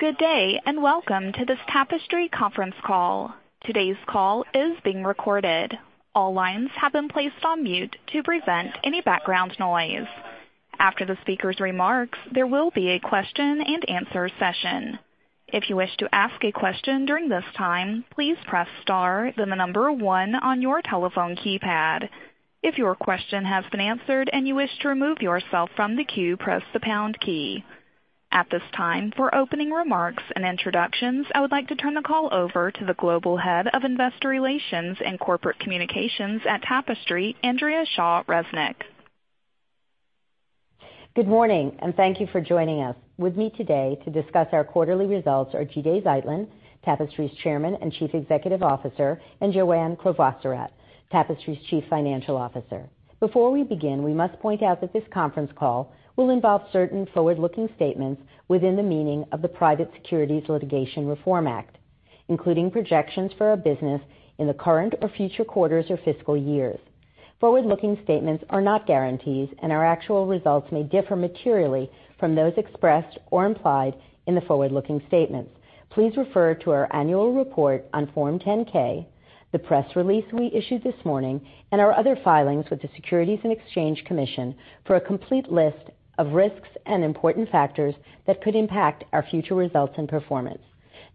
Good day. Welcome to this Tapestry conference call. Today's call is being recorded. All lines have been placed on mute to prevent any background noise. After the speaker's remarks, there will be a question-and-answer session. If you wish to ask a question during this time, please press star then the number one on your telephone keypad. If your question has been answered and you wish to remove yourself from the queue, press the pound key. At this time, for opening remarks and introductions, I would like to turn the call over to the Global Head of Investor Relations and Corporate Communications at Tapestry, Andrea Shaw Resnick. Good morning, and thank you for joining us. With me today to discuss our quarterly results are Jide Zeitlin, Tapestry's Chairman and Chief Executive Officer, and Joanne Crevoiserat, Tapestry's Chief Financial Officer. Before we begin, we must point out that this conference call will involve certain forward-looking statements within the meaning of the Private Securities Litigation Reform Act, including projections for our business in the current or future quarters or fiscal years. Forward-looking statements are not guarantees, and our actual results may differ materially from those expressed or implied in the forward-looking statements. Please refer to our annual report on Form 10-K, the press release we issued this morning, and our other filings with the Securities and Exchange Commission for a complete list of risks and important factors that could impact our future results and performance.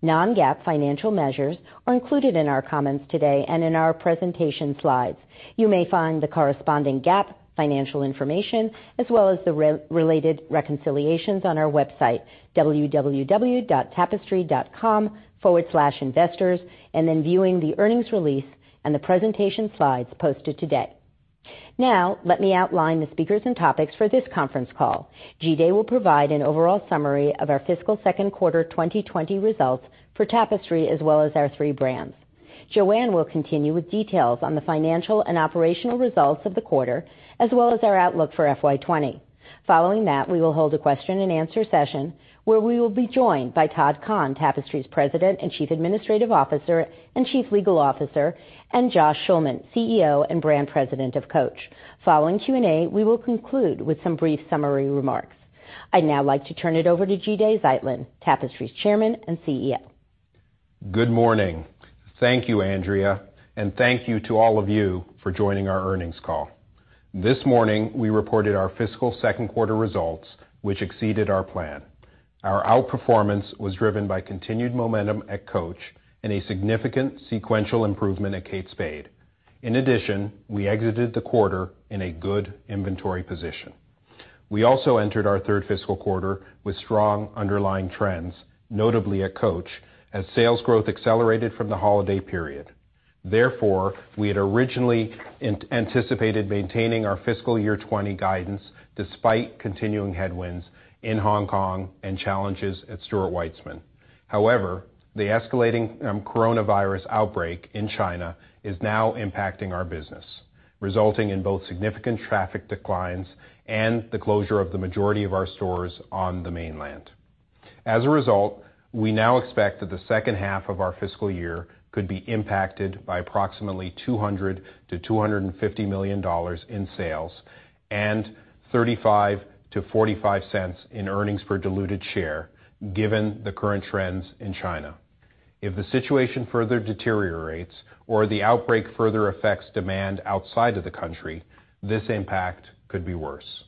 Non-GAAP financial measures are included in our comments today and in our presentation slides. You may find the corresponding GAAP financial information as well as the related reconciliations on our website, www.tapestry.com/investors, and then viewing the earnings release and the presentation slides posted today. Let me outline the speakers and topics for this conference call. Jide will provide an overall summary of our fiscal second quarter 2020 results for Tapestry as well as our three brands. Joanne will continue with details on the financial and operational results of the quarter as well as our outlook for FY 2020. Following that, we will hold a question-and-answer session where we will be joined by Todd Kahn, Tapestry's President and Chief Administrative Officer and Chief Legal Officer, and Josh Schulman, CEO and Brand President of Coach. Following Q&A, we will conclude with some brief summary remarks. I'd now like to turn it over to Jide Zeitlin, Tapestry's Chairman and CEO. Good morning. Thank you, Andrea, and thank you to all of you for joining our earnings call. This morning, we reported our fiscal second quarter results, which exceeded our plan. Our outperformance was driven by continued momentum at Coach and a significant sequential improvement at Kate Spade. In addition, we exited the quarter in a good inventory position. We also entered our third fiscal quarter with strong underlying trends, notably at Coach, as sales growth accelerated from the holiday period. Therefore, we had originally anticipated maintaining our fiscal year 2020 guidance despite continuing headwinds in Hong Kong and challenges at Stuart Weitzman. However, the escalating coronavirus outbreak in China is now impacting our business, resulting in both significant traffic declines and the closure of the majority of our stores on the mainland. As a result, we now expect that the second half of our fiscal year could be impacted by approximately $200 million-$250 million in sales and $0.35-$0.45 in earnings per diluted share, given the current trends in China. If the situation further deteriorates or the outbreak further affects demand outside of the country, this impact could be worse.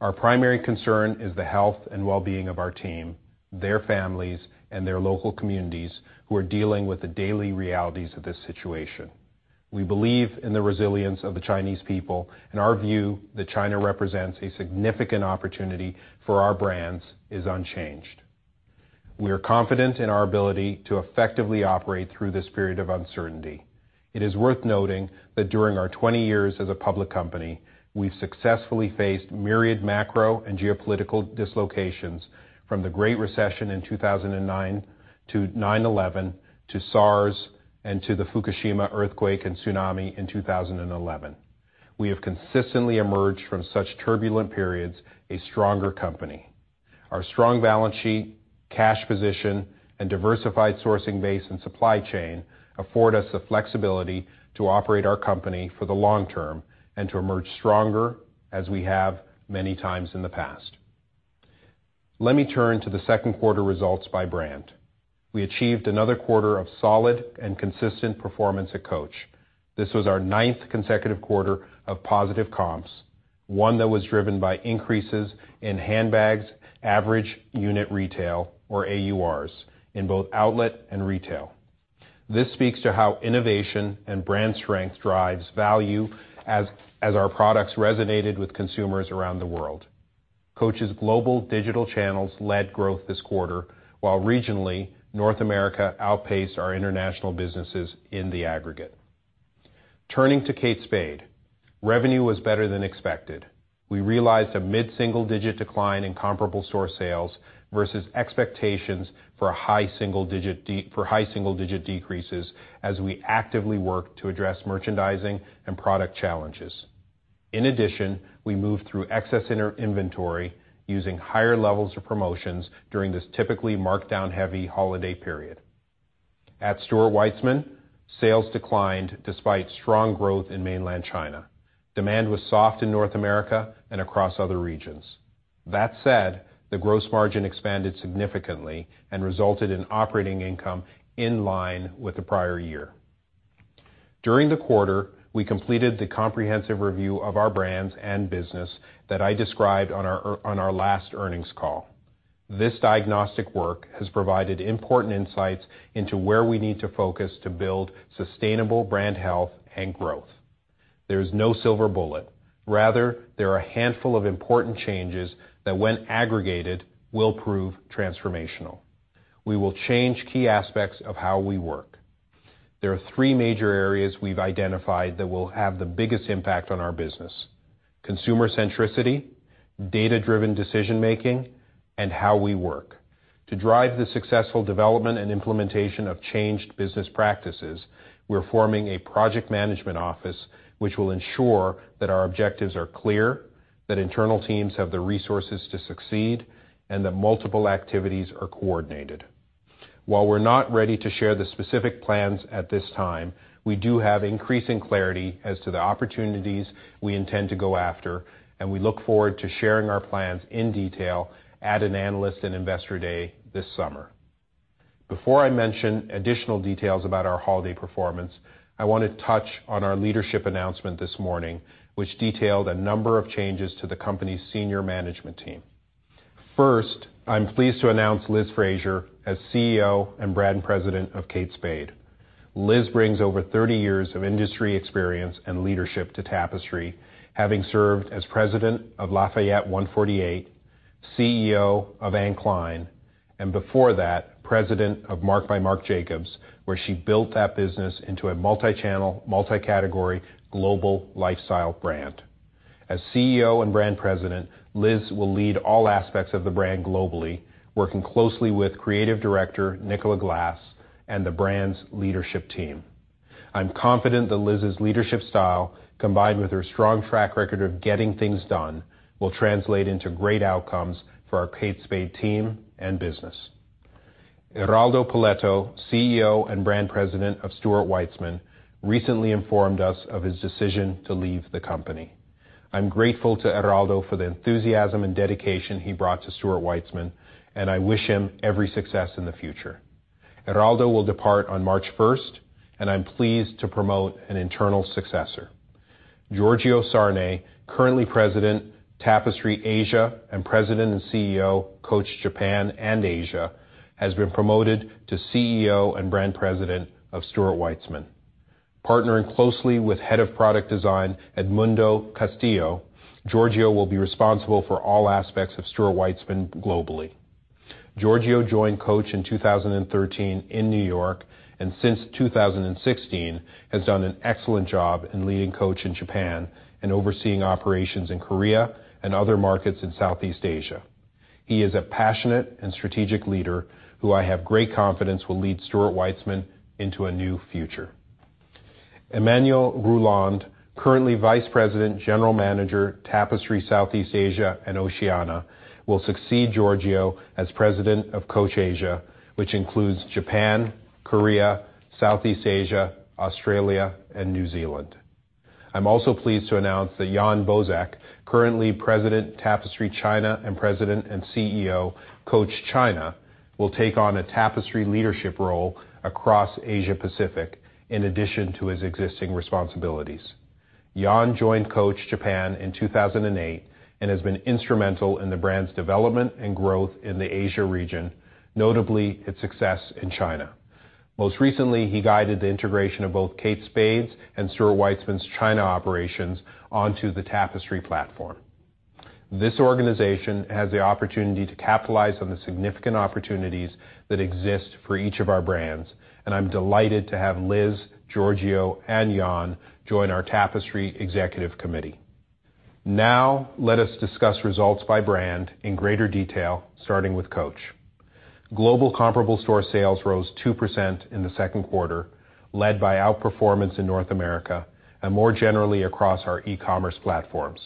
Our primary concern is the health and well-being of our team, their families, and their local communities who are dealing with the daily realities of this situation. We believe in the resilience of the Chinese people, and our view that China represents a significant opportunity for our brands is unchanged. We are confident in our ability to effectively operate through this period of uncertainty. It is worth noting that during our 20 years as a public company, we've successfully faced myriad macro and geopolitical dislocations, from the Great Recession in 2009 to 9/11 to SARS and to the Fukushima earthquake and tsunami in 2011. We have consistently emerged from such turbulent periods a stronger company. Our strong balance sheet, cash position, and diversified sourcing base and supply chain afford us the flexibility to operate our company for the long term and to emerge stronger as we have many times in the past. Let me turn to the second quarter results by brand. We achieved another quarter of solid and consistent performance at Coach. This was our ninth consecutive quarter of positive comps, one that was driven by increases in handbags, average unit retail, or AURs, in both outlet and retail. This speaks to how innovation and brand strength drives value as our products resonated with consumers around the world. Coach's global digital channels led growth this quarter, while regionally, North America outpaced our international businesses in the aggregate. Turning to Kate Spade, revenue was better than expected. We realized a mid-single-digit decline in comparable store sales versus expectations for high single-digit decreases as we actively work to address merchandising and product challenges. We moved through excess inventory using higher levels of promotions during this typically markdown-heavy holiday period. At Stuart Weitzman, sales declined despite strong growth in mainland China. Demand was soft in North America and across other regions. The gross margin expanded significantly and resulted in operating income in line with the prior year. During the quarter, we completed the comprehensive review of our brands and business that I described on our last earnings call. This diagnostic work has provided important insights into where we need to focus to build sustainable brand health and growth. There is no silver bullet. Rather, there are a handful of important changes that, when aggregated, will prove transformational. We will change key aspects of how we work. There are three major areas we've identified that will have the biggest impact on our business, consumer centricity, data-driven decision-making, and how we work. To drive the successful development and implementation of changed business practices, we're forming a project management office, which will ensure that our objectives are clear, that internal teams have the resources to succeed, and that multiple activities are coordinated. While we're not ready to share the specific plans at this time, we do have increasing clarity as to the opportunities we intend to go after, and we look forward to sharing our plans in detail at an Analyst and Investor Day this summer. Before I mention additional details about our holiday performance, I want to touch on our leadership announcement this morning, which detailed a number of changes to the company's senior management team. First, I'm pleased to announce Liz Fraser as CEO and Brand President of Kate Spade. Liz brings over 30 years of industry experience and leadership to Tapestry, having served as President of Lafayette 148, CEO of Anne Klein, and before that, president of Marc by Marc Jacobs, where she built that business into a multichannel, multicategory global lifestyle brand. As CEO and brand president, Liz will lead all aspects of the brand globally, working closely with Creative Director Nicola Glass and the brand's leadership team. I'm confident that Liz's leadership style, combined with her strong track record of getting things done, will translate into great outcomes for our Kate Spade team and business. Eraldo Poletto, CEO and Brand President of Stuart Weitzman, recently informed us of his decision to leave the company. I'm grateful to Eraldo for the enthusiasm and dedication he brought to Stuart Weitzman. I wish him every success in the future. Eraldo will depart on March 1st. I'm pleased to promote an internal successor. Giorgio Sarné, currently President, Tapestry Asia, and President and CEO, Coach Japan and Asia, has been promoted to CEO and brand president of Stuart Weitzman. Partnering closely with head of product design, Edmundo Castillo, Giorgio will be responsible for all aspects of Stuart Weitzman globally. Giorgio joined Coach in 2013 in New York, and since 2016, has done an excellent job in leading Coach in Japan and overseeing operations in Korea and other markets in Southeast Asia. He is a passionate and strategic leader who I have great confidence will lead Stuart Weitzman into a new future. Emmanuel Ruelland, currently Vice President, General Manager, Tapestry Southeast Asia and Oceania, will succeed Giorgio as President of Coach Asia, which includes Japan, Korea, Southeast Asia, Australia, and New Zealand. I'm also pleased to announce that Yann Bozec, currently President, Tapestry China, and President and CEO, Coach China, will take on a Tapestry leadership role across Asia Pacific in addition to his existing responsibilities. Yann joined Coach Japan in 2008 and has been instrumental in the brand's development and growth in the Asia region, notably its success in China. Most recently, he guided the integration of both Kate Spade's and Stuart Weitzman's China operations onto the Tapestry platform. This organization has the opportunity to capitalize on the significant opportunities that exist for each of our brands, and I'm delighted to have Liz, Giorgio, and Yann join our Tapestry executive committee. Now, let us discuss results by brand in greater detail, starting with Coach. Global comparable store sales rose 2% in the second quarter, led by outperformance in North America and more generally across our e-commerce platforms.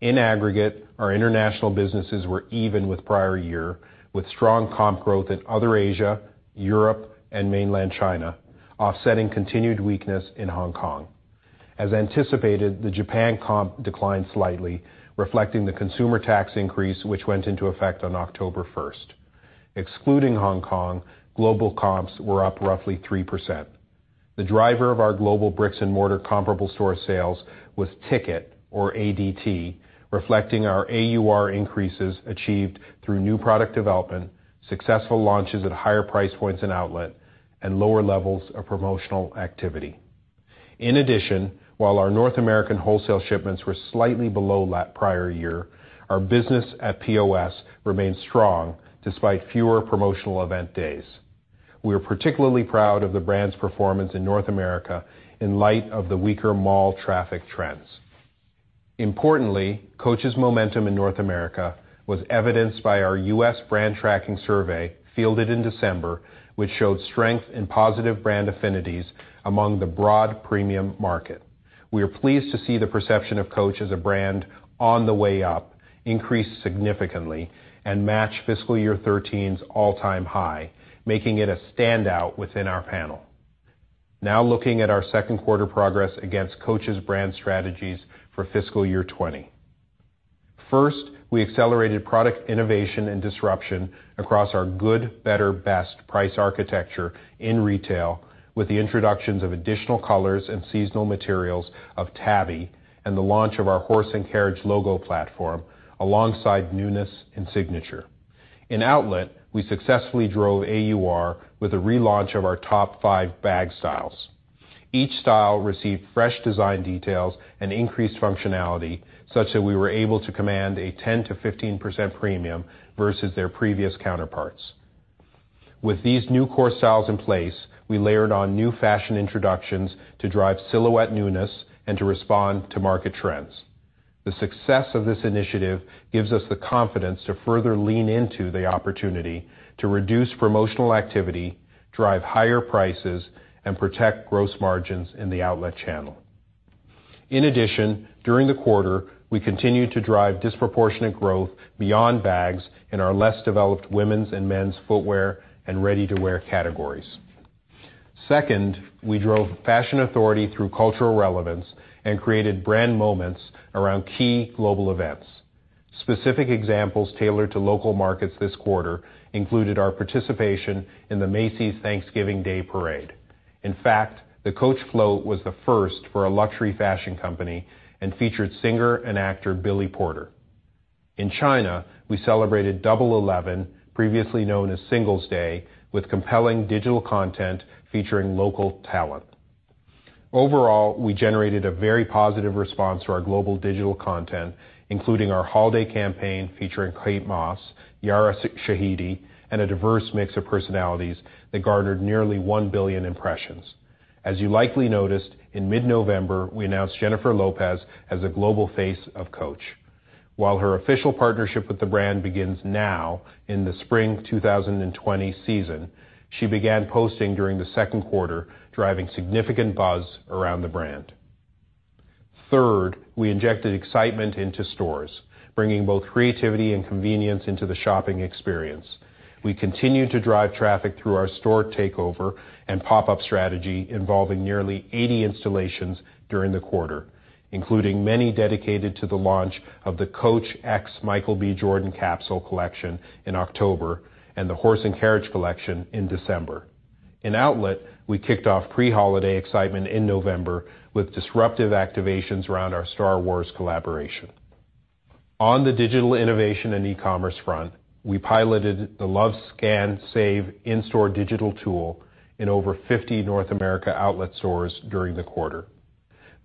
In aggregate, our international businesses were even with prior year, with strong comp growth in other Asia, Europe, and mainland China, offsetting continued weakness in Hong Kong. As anticipated, the Japan comp declined slightly, reflecting the consumer tax increase, which went into effect on October 1st. Excluding Hong Kong, global comps were up roughly 3%. The driver of our global bricks and mortar comparable store sales was ticket or ADT, reflecting our AUR increases achieved through new product development, successful launches at higher price points and outlet, and lower levels of promotional activity. While our North American wholesale shipments were slightly below that prior year, our business at POS remains strong despite fewer promotional event days. We are particularly proud of the brand's performance in North America in light of the weaker mall traffic trends. Importantly, Coach's momentum in North America was evidenced by our U.S. brand tracking survey fielded in December, which showed strength in positive brand affinities among the broad premium market. We are pleased to see the perception of Coach as a brand on the way up increase significantly and match FY 2013's all-time high, making it a standout within our panel. Looking at our second quarter progress against Coach's brand strategies for FY 2020. First, we accelerated product innovation and disruption across our good, better, best price architecture in retail with the introductions of additional colors and seasonal materials of Tabby, and the launch of our Horse and Carriage logo platform, alongside newness and Signature. In outlet, we successfully drove AUR with a relaunch of our top five bag styles. Each style received fresh design details and increased functionality, such that we were able to command a 10%-15% premium versus their previous counterparts. With these new core styles in place, we layered on new fashion introductions to drive silhouette newness and to respond to market trends. The success of this initiative gives us the confidence to further lean into the opportunity to reduce promotional activity, drive higher prices, and protect gross margins in the outlet channel. In addition, during the quarter, we continued to drive disproportionate growth beyond bags in our less-developed women's and men's footwear and ready-to-wear categories. Second, we drove fashion authority through cultural relevance and created brand moments around key global events. Specific examples tailored to local markets this quarter included our participation in the Macy's Thanksgiving Day Parade. In fact, the Coach float was the first for a luxury fashion company and featured singer and actor Billy Porter. In China, we celebrated Double Eleven, previously known as Singles' Day, with compelling digital content featuring local talent. Overall, we generated a very positive response to our global digital content, including our holiday campaign featuring Kate Moss, Yara Shahidi, and a diverse mix of personalities that garnered nearly 1 billion impressions. As you likely noticed, in mid-November, we announced Jennifer Lopez as a global face of Coach. While her official partnership with the brand begins now in the spring 2020 season, she began posting during the second quarter, driving significant buzz around the brand. Third, we injected excitement into stores, bringing both creativity and convenience into the shopping experience. We continued to drive traffic through our store takeover and pop-up strategy involving nearly 80 installations during the quarter, including many dedicated to the launch of the Coach X Michael B. Jordan capsule collection in October and the Horse and Carriage collection in December. In outlet, we kicked off pre-holiday excitement in November with disruptive activations around our Star Wars collaboration. On the digital innovation and e-commerce front, we piloted the Love, Scan, Save in-store digital tool in over 50 North America outlet stores during the quarter.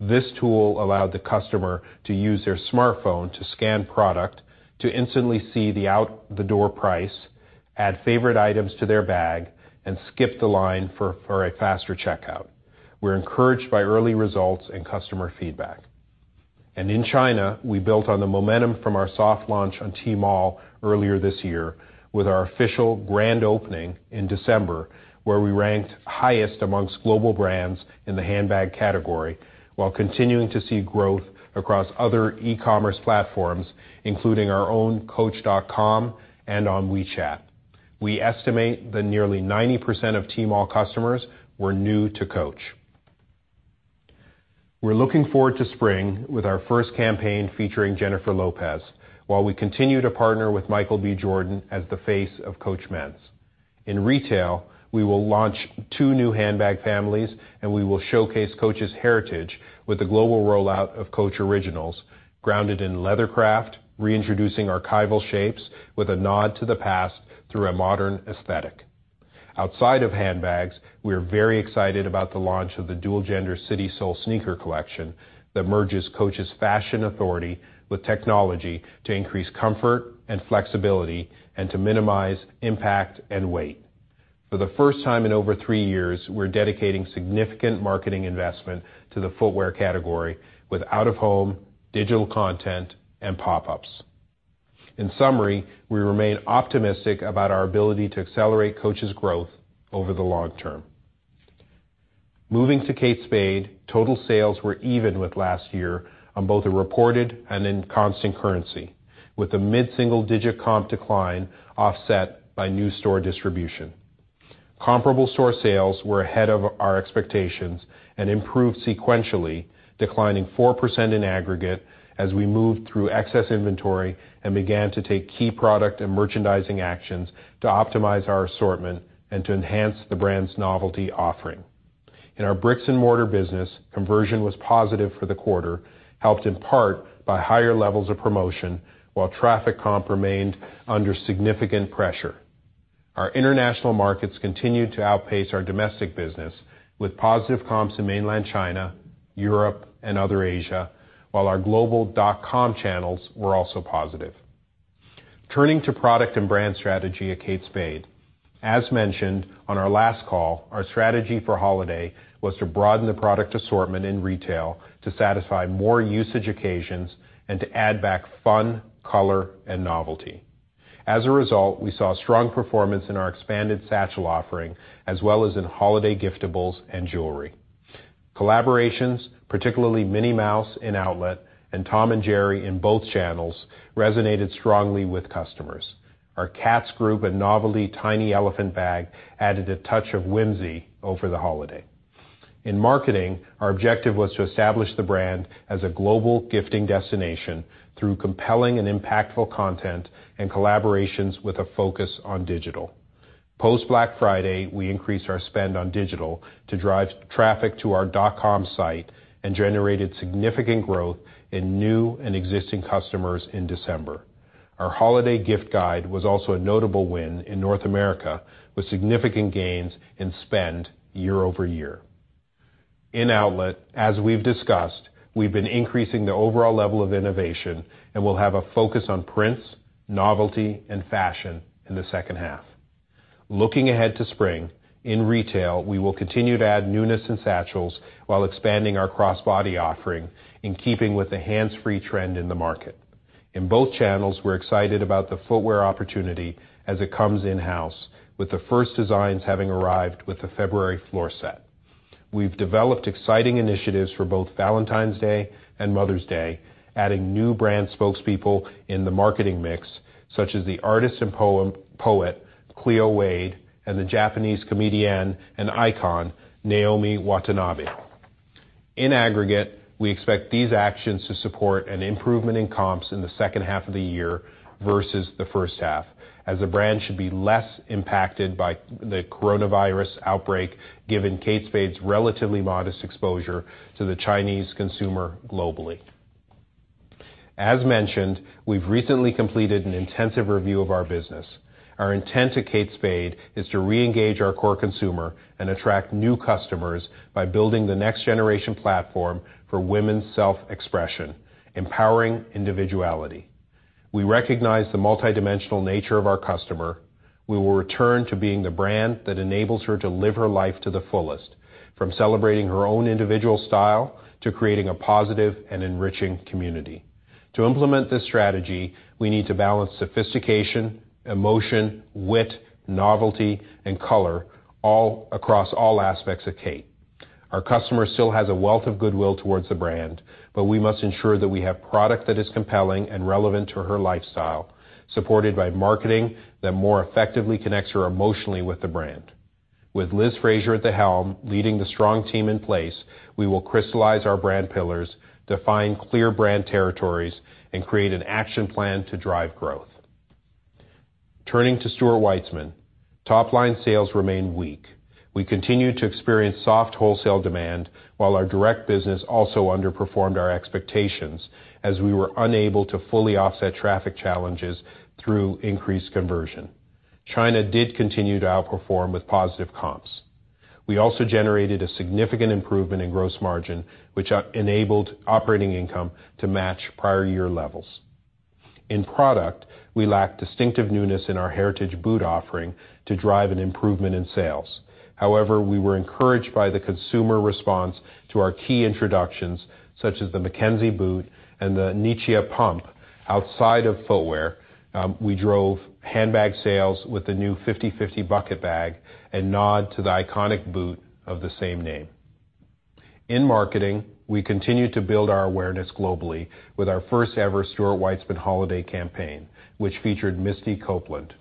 This tool allowed the customer to use their smartphone to scan product to instantly see the out-the-door price, add favorite items to their bag, and skip the line for a faster checkout. We're encouraged by early results and customer feedback. In China, we built on the momentum from our soft launch on Tmall earlier this year with our official grand opening in December, where we ranked highest amongst global brands in the handbag category while continuing to see growth across other e-commerce platforms, including our own coach.com and on WeChat. We estimate that nearly 90% of Tmall customers were new to Coach. We're looking forward to spring with our first campaign featuring Jennifer Lopez while we continue to partner with Michael B. Jordan as the face of Coach Men's. In retail, we will launch two new handbag families, and we will showcase Coach's heritage with a global rollout of Coach Originals, grounded in leather craft, reintroducing archival shapes with a nod to the past through a modern aesthetic. Outside of handbags, we are very excited about the launch of the dual-gender CitySole sneaker collection that merges Coach's fashion authority with technology to increase comfort and flexibility and to minimize impact and weight. For the first time in over three years, we're dedicating significant marketing investment to the footwear category with out-of-home, digital content, and pop-ups. In summary, we remain optimistic about our ability to accelerate Coach's growth over the long term. Moving to Kate Spade, total sales were even with last year on both the reported and in constant currency, with a mid-single-digit comp decline offset by new store distribution. Comparable store sales were ahead of our expectations and improved sequentially, declining 4% in aggregate as we moved through excess inventory and began to take key product and merchandising actions to optimize our assortment and to enhance the brand's novelty offering. In our bricks and mortar business, conversion was positive for the quarter, helped in part by higher levels of promotion while traffic comp remained under significant pressure. Our international markets continued to outpace our domestic business with positive comps in Mainland China, Europe, and other Asia, while our global .com channels were also positive. Turning to product and brand strategy at Kate Spade. As mentioned on our last call, our strategy for holiday was to broaden the product assortment in retail to satisfy more usage occasions and to add back fun, color, and novelty. As a result, we saw strong performance in our expanded satchel offering as well as in holiday giftables and jewelry. Collaborations, particularly Minnie Mouse in outlet and Tom and Jerry in both channels, resonated strongly with customers. Our cats group and novelty tiny elephant bag added a touch of whimsy over the holiday. In marketing, our objective was to establish the brand as a global gifting destination through compelling and impactful content and collaborations with a focus on digital. Post Black Friday, we increased our spend on digital to drive traffic to our dot-com site and generated significant growth in new and existing customers in December. Our holiday gift guide was also a notable win in North America, with significant gains in spend year-over-year. In outlet, as we've discussed, we've been increasing the overall level of innovation and will have a focus on prints, novelty, and fashion in the second half. Looking ahead to spring, in retail, we will continue to add newness in satchels while expanding our crossbody offering in keeping with the hands-free trend in the market. In both channels, we're excited about the footwear opportunity as it comes in-house, with the first designs having arrived with the February floor set. We've developed exciting initiatives for both Valentine's Day and Mother's Day, adding new brand spokespeople in the marketing mix, such as the artist and poet, Cleo Wade, and the Japanese comedian and icon, Naomi Watanabe. In aggregate, we expect these actions to support an improvement in comps in the second half of the year versus the first half, as the brand should be less impacted by the coronavirus outbreak given Kate Spade's relatively modest exposure to the Chinese consumer globally. As mentioned, we've recently completed an intensive review of our business. Our intent at Kate Spade is to reengage our core consumer and attract new customers by building the next-generation platform for women's self-expression, empowering individuality. We recognize the multidimensional nature of our customer. We will return to being the brand that enables her to live her life to the fullest, from celebrating her own individual style to creating a positive and enriching community. To implement this strategy, we need to balance sophistication, emotion, wit, novelty, and color, all across all aspects of Kate. Our customer still has a wealth of goodwill towards the brand. We must ensure that we have product that is compelling and relevant to her lifestyle, supported by marketing that more effectively connects her emotionally with the brand. With Liz Fraser at the helm leading the strong team in place, we will crystallize our brand pillars, define clear brand territories, and create an action plan to drive growth. Turning to Stuart Weitzman, top-line sales remain weak. We continue to experience soft wholesale demand, while our direct business also underperformed our expectations as we were unable to fully offset traffic challenges through increased conversion. China did continue to outperform with positive comps. We also generated a significant improvement in gross margin, which enabled operating income to match prior year levels. In product, we lack distinctive newness in our heritage boot offering to drive an improvement in sales. However, we were encouraged by the consumer response to our key introductions, such as the Mackenzie boot and the Nicia pump. Outside of footwear, we drove handbag sales with the new 5050 bucket bag, a nod to the iconic boot of the same name. In marketing, we continue to build our awareness globally with our first-ever Stuart Weitzman holiday campaign, which featured Misty Copeland.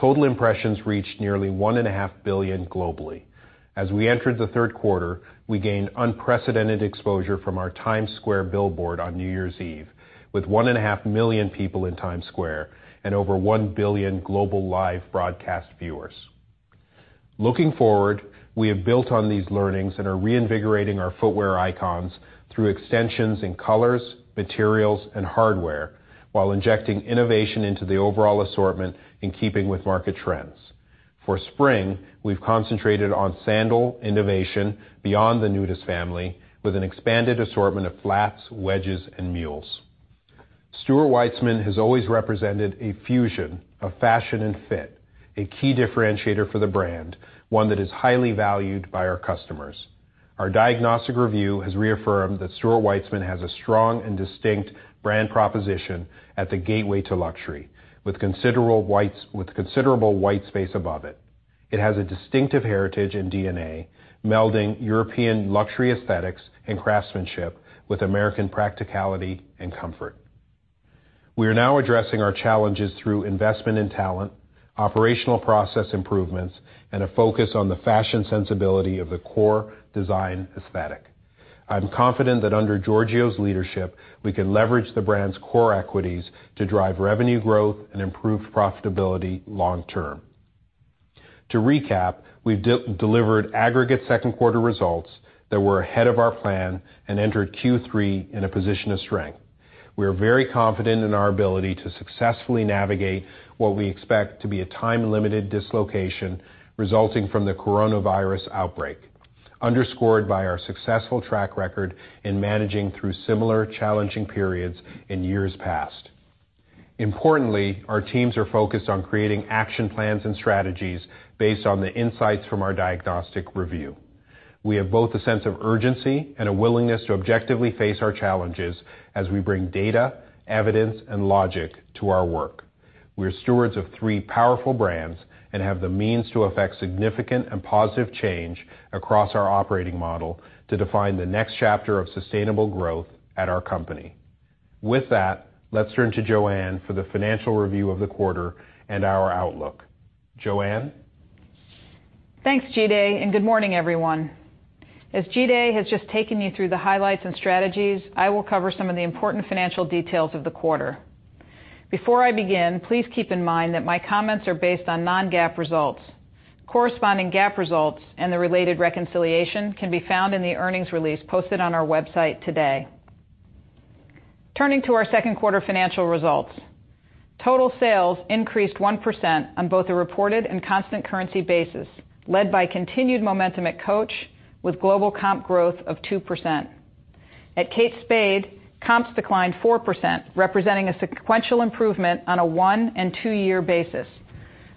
Total impressions reached nearly 1.5 billion globally. As we entered the third quarter, we gained unprecedented exposure from our Times Square billboard on New Year's Eve, with 1.5 million people in Times Square and over 1 billion global live broadcast viewers. Looking forward, we have built on these learnings and are reinvigorating our footwear icons through extensions in colors, materials, and hardware, while injecting innovation into the overall assortment in keeping with market trends. For spring, we've concentrated on sandal innovation beyond the Nudist family with an expanded assortment of flats, wedges, and mules. Stuart Weitzman has always represented a fusion of fashion and fit, a key differentiator for the brand, one that is highly valued by our customers. Our diagnostic review has reaffirmed that Stuart Weitzman has a strong and distinct brand proposition at the gateway to luxury, with considerable white space above it. It has a distinctive heritage and DNA, melding European luxury aesthetics and craftsmanship with American practicality and comfort. We are now addressing our challenges through investment in talent, operational process improvements, and a focus on the fashion sensibility of the core design aesthetic. I'm confident that under Giorgio's leadership, we can leverage the brand's core equities to drive revenue growth and improve profitability long term. To recap, we've delivered aggregate second quarter results that were ahead of our plan and entered Q3 in a position of strength. We are very confident in our ability to successfully navigate what we expect to be a time-limited dislocation resulting from the coronavirus outbreak, underscored by our successful track record in managing through similar challenging periods in years past. Importantly, our teams are focused on creating action plans and strategies based on the insights from our diagnostic review. We have both a sense of urgency and a willingness to objectively face our challenges as we bring data, evidence, and logic to our work. We are stewards of three powerful brands and have the means to affect significant and positive change across our operating model to define the next chapter of sustainable growth at our company. With that, let's turn to Joanne for the financial review of the quarter and our outlook. Joanne? Thanks, Jide. Good morning, everyone. As Jide has just taken you through the highlights and strategies, I will cover some of the important financial details of the quarter. Before I begin, please keep in mind that my comments are based on non-GAAP results. Corresponding GAAP results and the related reconciliation can be found in the earnings release posted on our website today. Turning to our second quarter financial results. Total sales increased 1% on both a reported and constant currency basis, led by continued momentum at Coach with global comp growth of 2%. At Kate Spade, comps declined 4%, representing a sequential improvement on a one and two-year basis,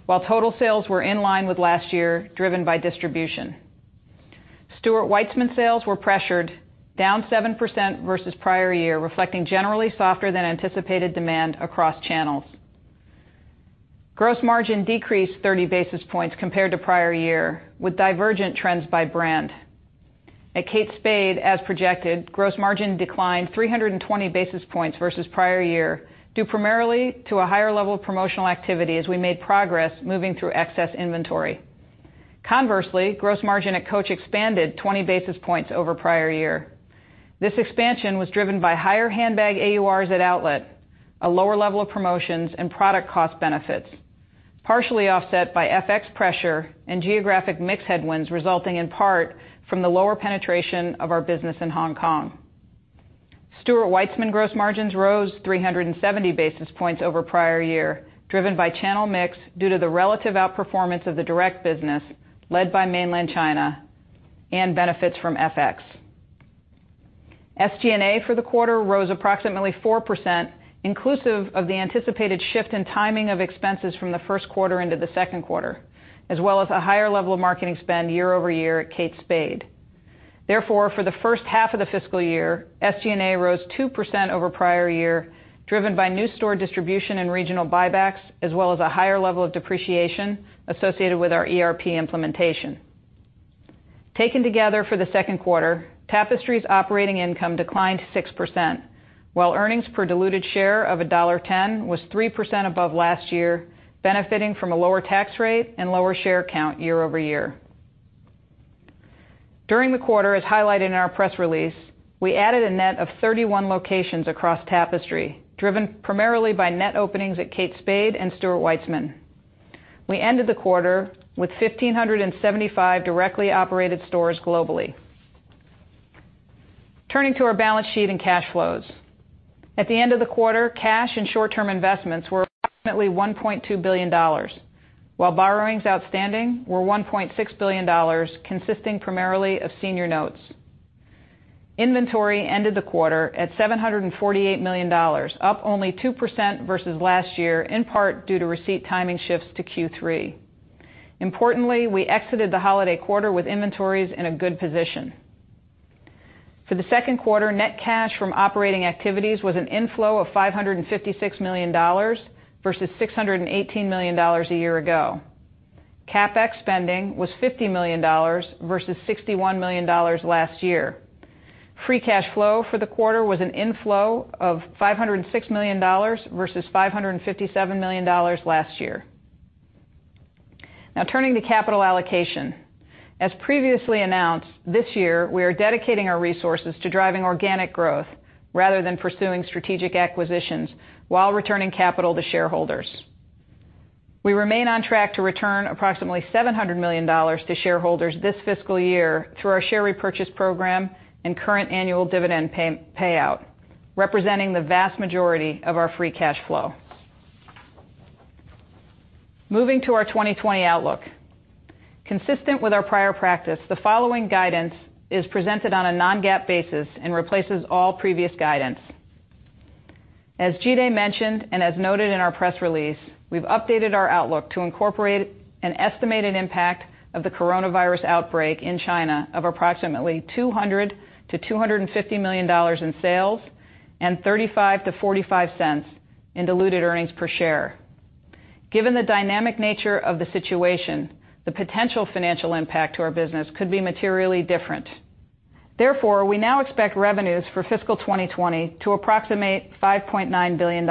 while total sales were in line with last year driven by distribution. Stuart Weitzman sales were pressured, down 7% versus prior year, reflecting generally softer than anticipated demand across channels. Gross margin decreased 30 basis points compared to prior year, with divergent trends by brand. At Kate Spade, as projected, gross margin declined 320 basis points versus prior year, due primarily to a higher level of promotional activity as we made progress moving through excess inventory. Conversely, gross margin at Coach expanded 20 basis points over prior year. This expansion was driven by higher handbag AURs at outlet, a lower level of promotions, and product cost benefits, partially offset by FX pressure and geographic mix headwinds resulting in part from the lower penetration of our business in Hong Kong. Stuart Weitzman gross margins rose 370 basis points over prior year, driven by channel mix due to the relative outperformance of the direct business, led by mainland China, and benefits from FX. SG&A for the quarter rose approximately 4%, inclusive of the anticipated shift in timing of expenses from the first quarter into the second quarter, as well as a higher level of marketing spend year-over-year at Kate Spade. For the first half of the fiscal year, SG&A rose 2% over prior year, driven by new store distribution and regional buybacks, as well as a higher level of depreciation associated with our ERP implementation. Taken together for the second quarter, Tapestry's operating income declined 6%, while earnings per diluted share of $1.10 was 3% above last year, benefiting from a lower tax rate and lower share count year-over-year. During the quarter, as highlighted in our press release, we added a net of 31 locations across Tapestry, driven primarily by net openings at Kate Spade and Stuart Weitzman. We ended the quarter with 1,575 directly operated stores globally. Turning to our balance sheet and cash flows. At the end of the quarter, cash and short-term investments were approximately $1.2 billion, while borrowings outstanding were $1.6 billion, consisting primarily of senior notes. Inventory ended the quarter at $748 million, up only 2% versus last year, in part due to receipt timing shifts to Q3. Importantly, we exited the holiday quarter with inventories in a good position. For the second quarter, net cash from operating activities was an inflow of $556 million versus $618 million a year ago. CapEx spending was $50 million versus $61 million last year. Free cash flow for the quarter was an inflow of $506 million versus $557 million last year. Turning to capital allocation. As previously announced, this year we are dedicating our resources to driving organic growth rather than pursuing strategic acquisitions while returning capital to shareholders. We remain on track to return approximately $700 million to shareholders this fiscal year through our share repurchase program and current annual dividend payout, representing the vast majority of our free cash flow. Moving to our 2020 outlook. Consistent with our prior practice, the following guidance is presented on a non-GAAP basis and replaces all previous guidance. As Jide mentioned, and as noted in our press release, we've updated our outlook to incorporate an estimated impact of the coronavirus outbreak in China of approximately $200 million-$250 million in sales and $0.35-$0.45 in diluted earnings per share. Given the dynamic nature of the situation, the potential financial impact to our business could be materially different. Therefore, we now expect revenues for FY 2020 to approximate $5.9 billion.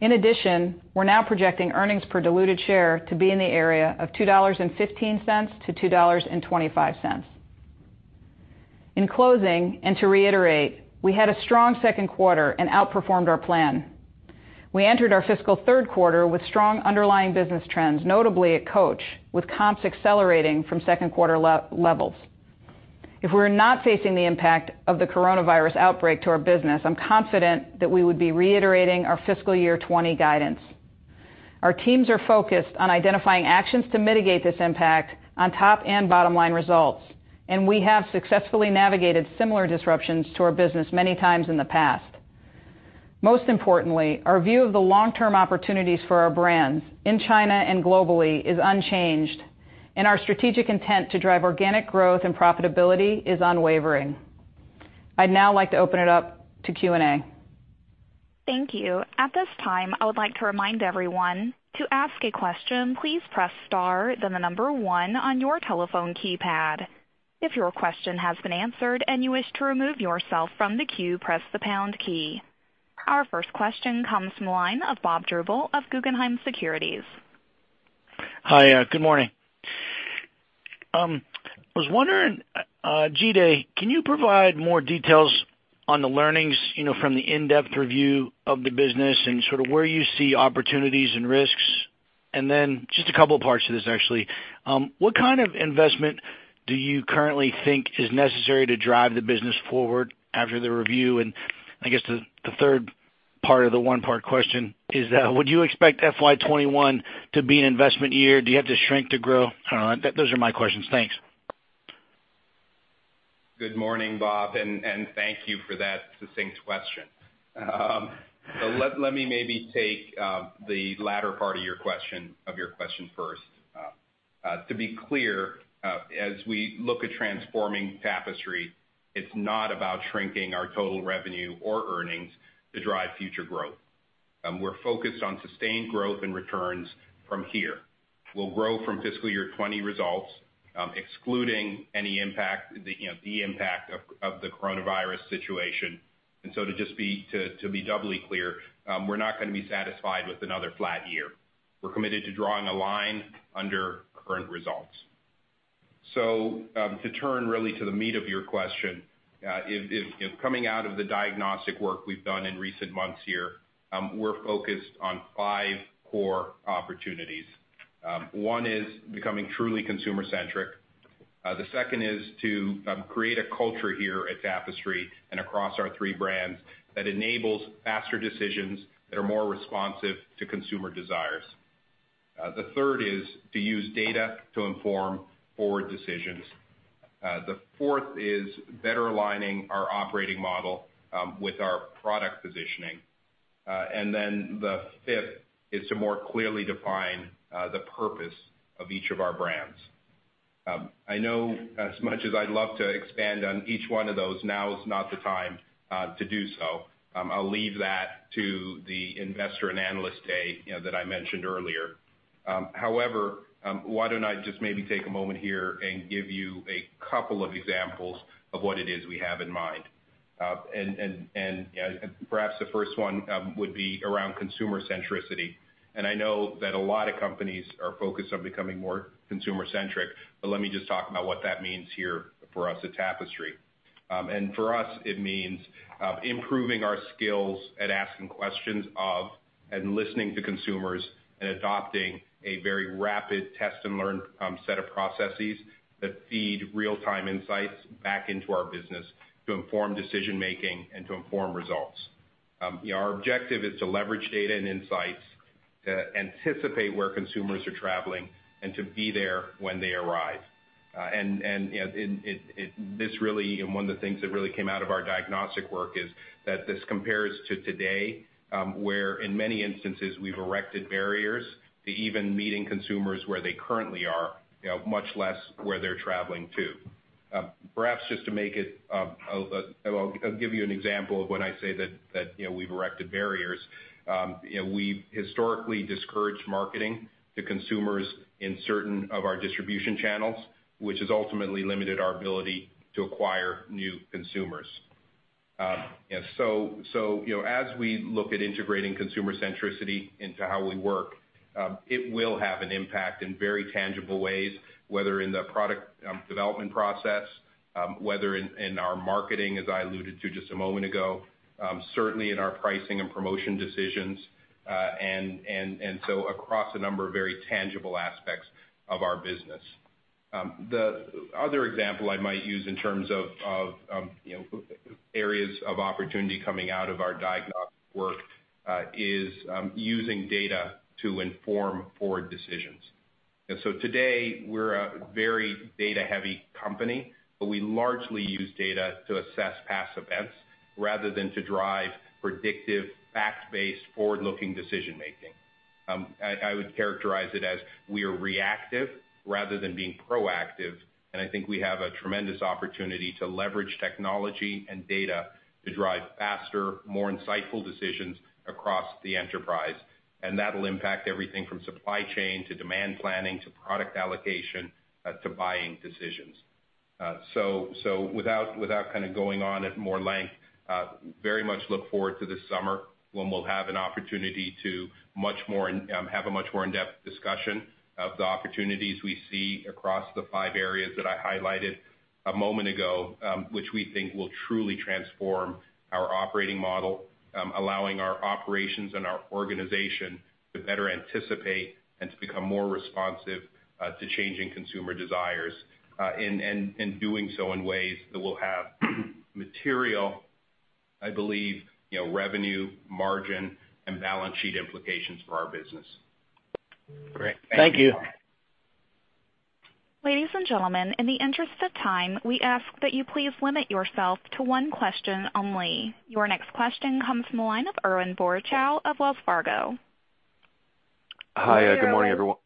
In addition, we're now projecting earnings per diluted share to be in the area of $2.15-$2.25. In closing, and to reiterate, we had a strong second quarter and outperformed our plan. We entered our fiscal third quarter with strong underlying business trends, notably at Coach, with comps accelerating from second quarter levels. If we were not facing the impact of the coronavirus outbreak to our business, I'm confident that we would be reiterating our fiscal year 2020 guidance. Our teams are focused on identifying actions to mitigate this impact on top and bottom-line results, and we have successfully navigated similar disruptions to our business many times in the past. Most importantly, our view of the long-term opportunities for our brands in China and globally is unchanged, and our strategic intent to drive organic growth and profitability is unwavering. I'd now like to open it up to Q&A. Thank you. At this time, I would like to remind everyone, to ask a question, please press star then the number one on your telephone keypad. If your question has been answered and you wish to remove yourself from the queue, press the pound key. Our first question comes from the line of Bob Drbul of Guggenheim Securities. Hi. Good morning. I was wondering, Jide, can you provide more details on the learnings from the in-depth review of the business and sort of where you see opportunities and risks? Just a couple of parts to this actually. What kind of investment do you currently think is necessary to drive the business forward after the review? I guess the third part of the one-part question is, would you expect FY 2021 to be an investment year? Do you have to shrink to grow? I don't know. Those are my questions. Thanks. Good morning, Bob. Thank you for that succinct question. Let me maybe take the latter part of your question first. To be clear, as we look at transforming Tapestry, it's not about shrinking our total revenue or earnings to drive future growth. We're focused on sustained growth and returns from here. We'll grow from FY 2020 results, excluding any impact, the impact of the coronavirus situation. To just be doubly clear, we're not going to be satisfied with another flat year. We're committed to drawing a line under current results. To turn really to the meat of your question, coming out of the diagnostic work we've done in recent months here, we're focused on five core opportunities. One is becoming truly consumer-centric. The second is to create a culture here at Tapestry and across our three brands that enables faster decisions that are more responsive to consumer desires. The third is to use data to inform forward decisions. The fourth is better aligning our operating model with our product positioning. The fifth is to more clearly define the purpose of each of our brands. I know as much as I'd love to expand on each one of those, now is not the time to do so. I'll leave that to the investor and analyst day that I mentioned earlier. Why don't I just maybe take a moment here and give you a couple of examples of what it is we have in mind. The first one would be around consumer centricity. I know that a lot of companies are focused on becoming more consumer centric, but let me just talk about what that means here for us at Tapestry. For us, it means improving our skills at asking questions of and listening to consumers and adopting a very rapid test and learn set of processes that feed real-time insights back into our business to inform decision-making and to inform results. Our objective is to leverage data and insights to anticipate where consumers are traveling and to be there when they arrive. One of the things that really came out of our diagnostic work is that this compares to today, where in many instances, we've erected barriers to even meeting consumers where they currently are, much less where they're traveling to. Perhaps just to make it, I'll give you an example of when I say that we've erected barriers. We historically discouraged marketing to consumers in certain of our distribution channels, which has ultimately limited our ability to acquire new consumers. As we look at integrating consumer centricity into how we work, it will have an impact in very tangible ways, whether in the product development process, whether in our marketing, as I alluded to just a moment ago, certainly in our pricing and promotion decisions, and so across a number of very tangible aspects of our business. The other example I might use in terms of areas of opportunity coming out of our diagnostic work, is using data to inform forward decisions. Today, we're a very data-heavy company, but we largely use data to assess past events rather than to drive predictive, fact-based, forward-looking decision-making. I would characterize it as we are reactive rather than being proactive. I think we have a tremendous opportunity to leverage technology and data to drive faster, more insightful decisions across the enterprise. That'll impact everything from supply chain, to demand planning, to product allocation, to buying decisions. Without going on at more length, very much look forward to this summer when we'll have an opportunity to have a much more in-depth discussion of the opportunities we see across the five areas that I highlighted a moment ago, which we think will truly transform our operating model, allowing our operations and our organization to better anticipate and to become more responsive to changing consumer desires. Doing so in ways that will have material, I believe, revenue, margin, and balance sheet implications for our business. Great. Thank you. Ladies and gentlemen, in the interest of time, we ask that you please limit yourself to one question only. Your next question comes from the line of Irwin Boruchow of Wells Fargo. Hi, good morning, everyone.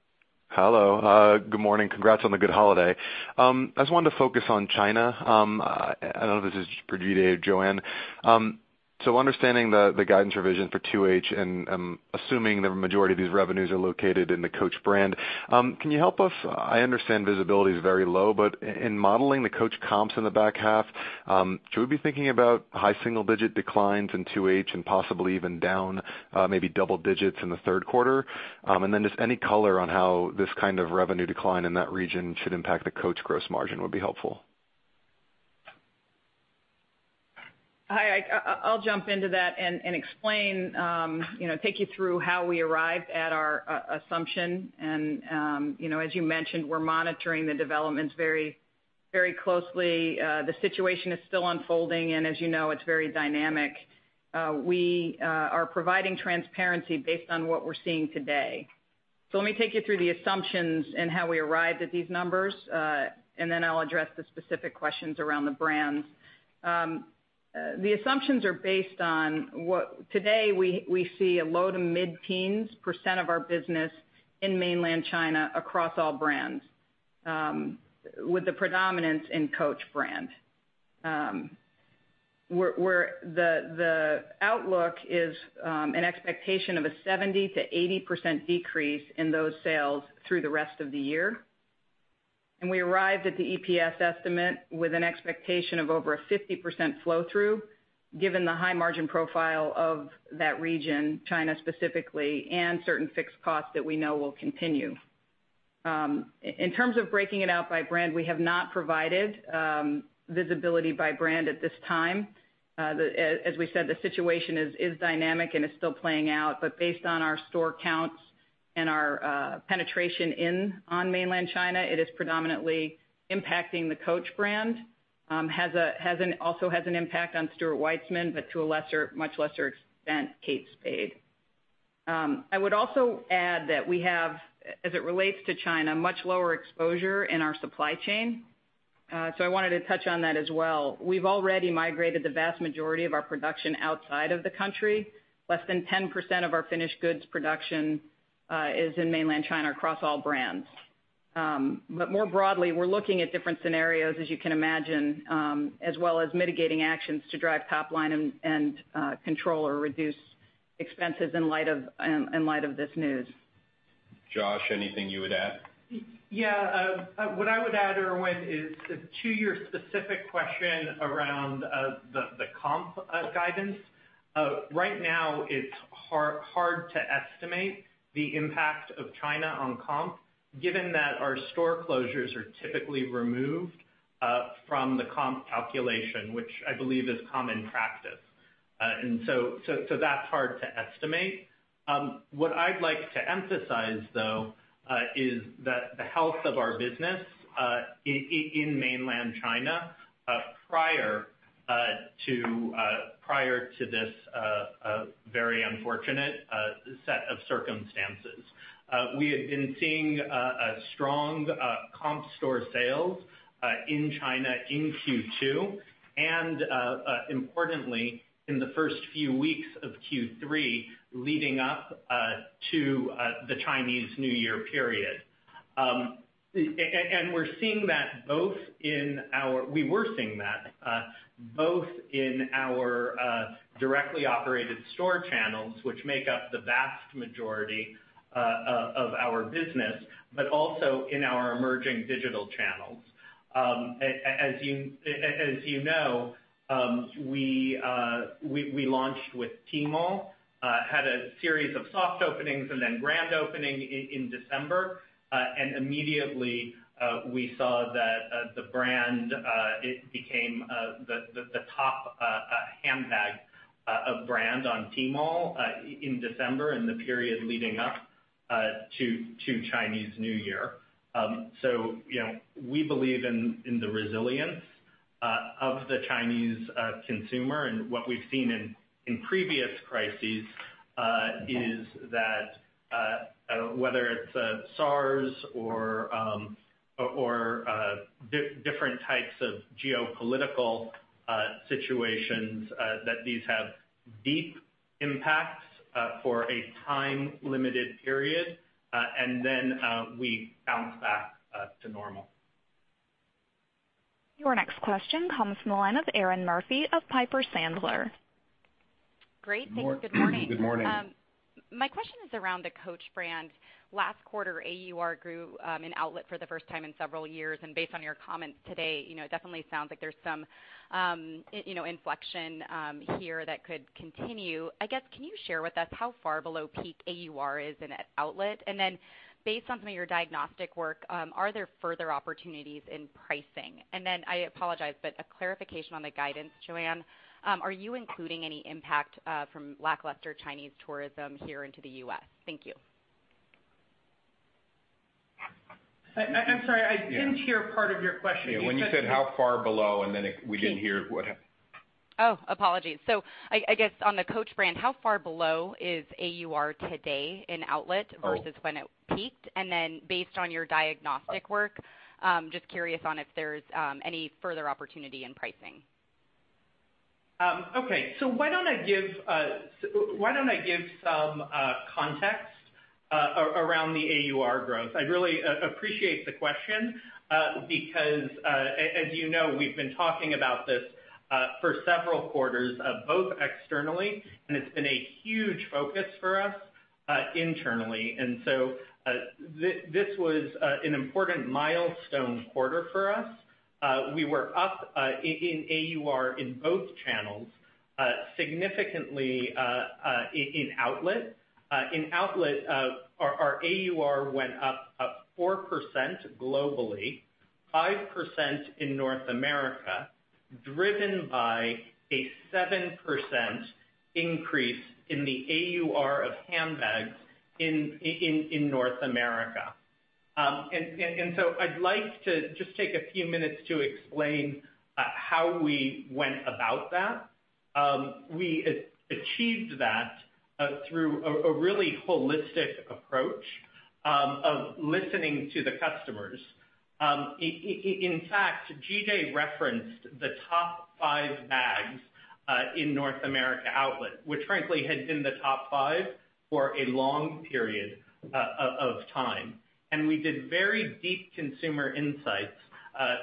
Hi, Irwin. Hello. Good morning. Congrats on the good holiday. I just wanted to focus on China. I don't know if this is for Jide or Joanne. Understanding the guidance revision for 2H, and I'm assuming the majority of these revenues are located in the Coach brand. Can you help us? I understand visibility is very low, in modeling the Coach comps in the back half, should we be thinking about high single-digit declines in 2H and possibly even down maybe double digits in the third quarter? Just any color on how this kind of revenue decline in that region should impact the Coach gross margin would be helpful. Hi, I'll jump into that and explain, take you through how we arrived at our assumption. As you mentioned, we're monitoring the developments very closely. The situation is still unfolding, and as you know, it's very dynamic. We are providing transparency based on what we're seeing today. Let me take you through the assumptions and how we arrived at these numbers, and then I'll address the specific questions around the brands. The assumptions are based on today we see a low to mid-teens percent of our business in mainland China across all brands, with the predominance in Coach brand, where the outlook is an expectation of a 70%-80% decrease in those sales through the rest of the year. We arrived at the EPS estimate with an expectation of over a 50% flow-through, given the high margin profile of that region, China specifically, and certain fixed costs that we know will continue. In terms of breaking it out by brand, we have not provided visibility by brand at this time. As we said, the situation is dynamic and is still playing out. Based on our store counts and our penetration in on mainland China, it is predominantly impacting the Coach brand. Also has an impact on Stuart Weitzman, but to a much lesser extent, Kate Spade. I would also add that we have, as it relates to China, much lower exposure in our supply chain. I wanted to touch on that as well. We've already migrated the vast majority of our production outside of the country. Less than 10% of our finished goods production is in mainland China across all brands. More broadly, we're looking at different scenarios, as you can imagine, as well as mitigating actions to drive top line and control or reduce expenses in light of this news. Josh, anything you would add? What I would add, Irwin, is to your specific question around the comp guidance. Right now, it's hard to estimate the impact of China on comp, given that our store closures are typically removed from the comp calculation, which I believe is common practice. That's hard to estimate. What I'd like to emphasize, though, is that the health of our business in mainland China prior to this very unfortunate set of circumstances. We had been seeing a strong comp store sales in China in Q2, and importantly, in the first few weeks of Q3 leading up to the Chinese New Year period. We were seeing that both in our directly operated store channels, which make up the vast majority of our business, but also in our emerging digital channels. As you know, we launched with Tmall, had a series of soft openings and then grand opening in December. Immediately we saw that the brand became the top handbag of brand on Tmall in December and the period leading up to Chinese New Year. We believe in the resilience of the Chinese consumer. What we've seen in previous crises is that whether it's SARS or different types of geopolitical situations that these have deep impacts for a time-limited period, and then we bounce back to normal. Your next question comes from the line of Erinn Murphy of Piper Sandler. Great. Thank you. Good morning. Good morning. My question is around the Coach brand. Last quarter, AUR grew in outlet for the first time in several years. Based on your comments today, it definitely sounds like there's some inflection here that could continue. I guess, can you share with us how far below peak AUR is in outlet? Based on some of your diagnostic work, are there further opportunities in pricing? I apologize, a clarification on the guidance, Joanne. Are you including any impact from lackluster Chinese tourism here into the U.S.? Thank you. I'm sorry. I didn't hear part of your question. You said- Yeah. When you said how far below, and then we didn't hear what. Oh, apologies. I guess on the Coach brand, how far below is AUR today in outlet versus when it peaked? Based on your diagnostic work, just curious on if there's any further opportunity in pricing. Okay. Why don't I give some context around the AUR growth? I really appreciate the question, because, as you know, we've been talking about this for several quarters, both externally, and it's been a huge focus for us internally. This was an important milestone quarter for us. We were up in AUR in both channels, significantly in outlet. In outlet, our AUR went up 4% globally, 5% in North America, driven by a 7% increase in the AUR of handbags in North America. I'd like to just take a few minutes to explain how we went about that. We achieved that through a really holistic approach of listening to the customers. In fact, Jide referenced the top five bags in North America outlet, which frankly had been the top five for a long period of time. We did very deep consumer insights,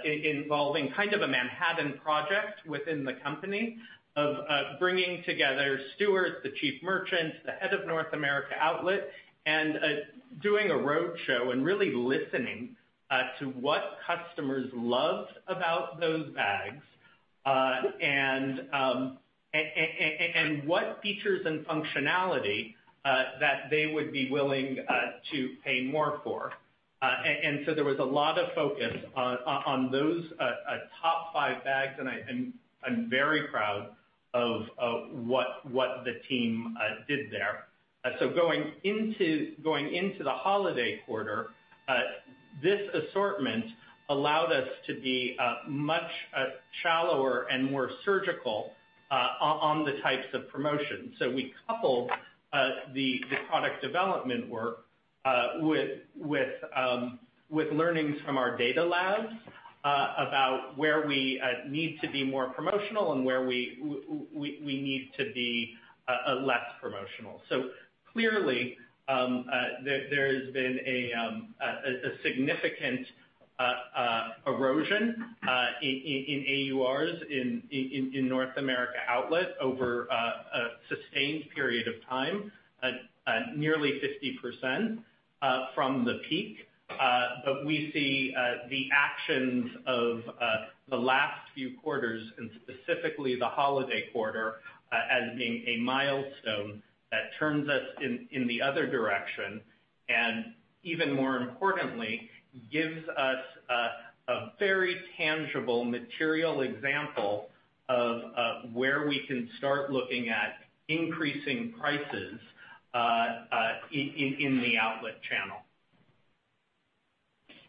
involving kind of a Manhattan Project within the company of bringing together Stuart, the chief merchant, the head of North America outlet, and doing a roadshow and really listening to what customers loved about those bags. What features and functionality that they would be willing to pay more for. There was a lot of focus on those top five bags, and I'm very proud of what the team did there. Going into the holiday quarter, this assortment allowed us to be much shallower and more surgical on the types of promotions. We coupled the product development work with learnings from our data labs about where we need to be more promotional and where we need to be less promotional. Clearly, there has been a significant erosion in AURs in North America outlet over a sustained period of time, nearly 50% from the peak. We see the actions of the last few quarters, and specifically the holiday quarter, as being a milestone that turns us in the other direction, and even more importantly, gives us a very tangible material example of where we can start looking at increasing prices in the outlet channel.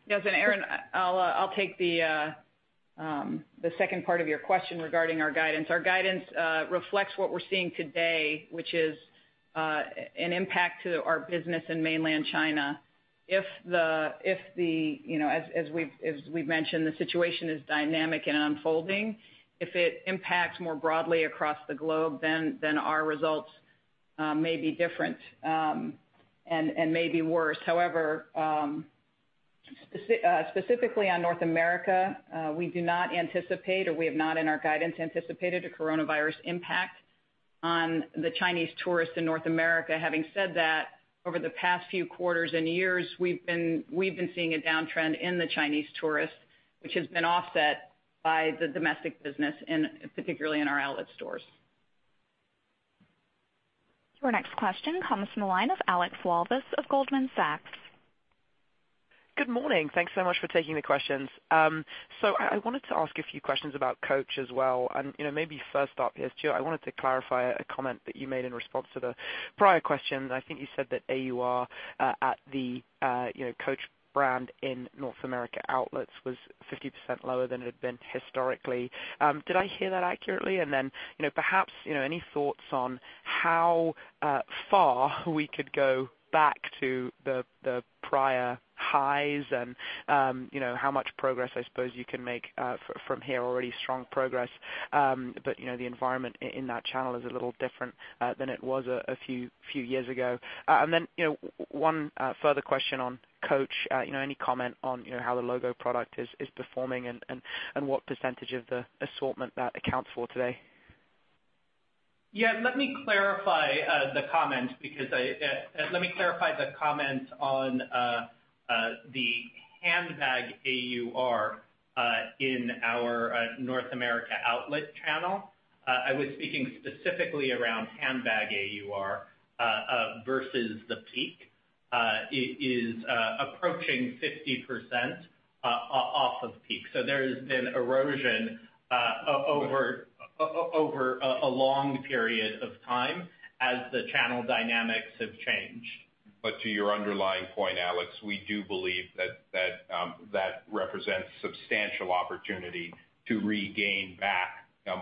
Yes, Erinn, I'll take the second part of your question regarding our guidance. Our guidance reflects what we're seeing today, which is an impact to our business in mainland China. As we've mentioned, the situation is dynamic and unfolding. If it impacts more broadly across the globe, our results may be different and may be worse. However, specifically on North America, we do not anticipate, or we have not in our guidance anticipated a coronavirus impact on the Chinese tourists in North America. Having said that, over the past few quarters and years, we've been seeing a downtrend in the Chinese tourists, which has been offset by the domestic business, and particularly in our outlet stores. Your next question comes from the line of Alex Walvis of Goldman Sachs. Good morning. Thanks so much for taking the questions. I wanted to ask a few questions about Coach as well, and maybe first up here, Stuart, I wanted to clarify a comment that you made in response to the prior question. I think you said that AUR at the Coach brand in North America outlets was 50% lower than it had been historically. Did I hear that accurately? Perhaps any thoughts on how far we could go back to the prior highs and how much progress, I suppose, you can make from here, already strong progress. The environment in that channel is a little different than it was a few years ago. One further question on Coach. Any comment on how the logo product is performing and what percentage of the assortment that accounts for today? Let me clarify the comment on the handbag AUR in our North America outlet channel. I was speaking specifically around handbag AUR versus the peak. It is approaching 50% off of peak. There has been erosion over a long period of time as the channel dynamics have changed. To your underlying point, Alex, we do believe that represents substantial opportunity to regain back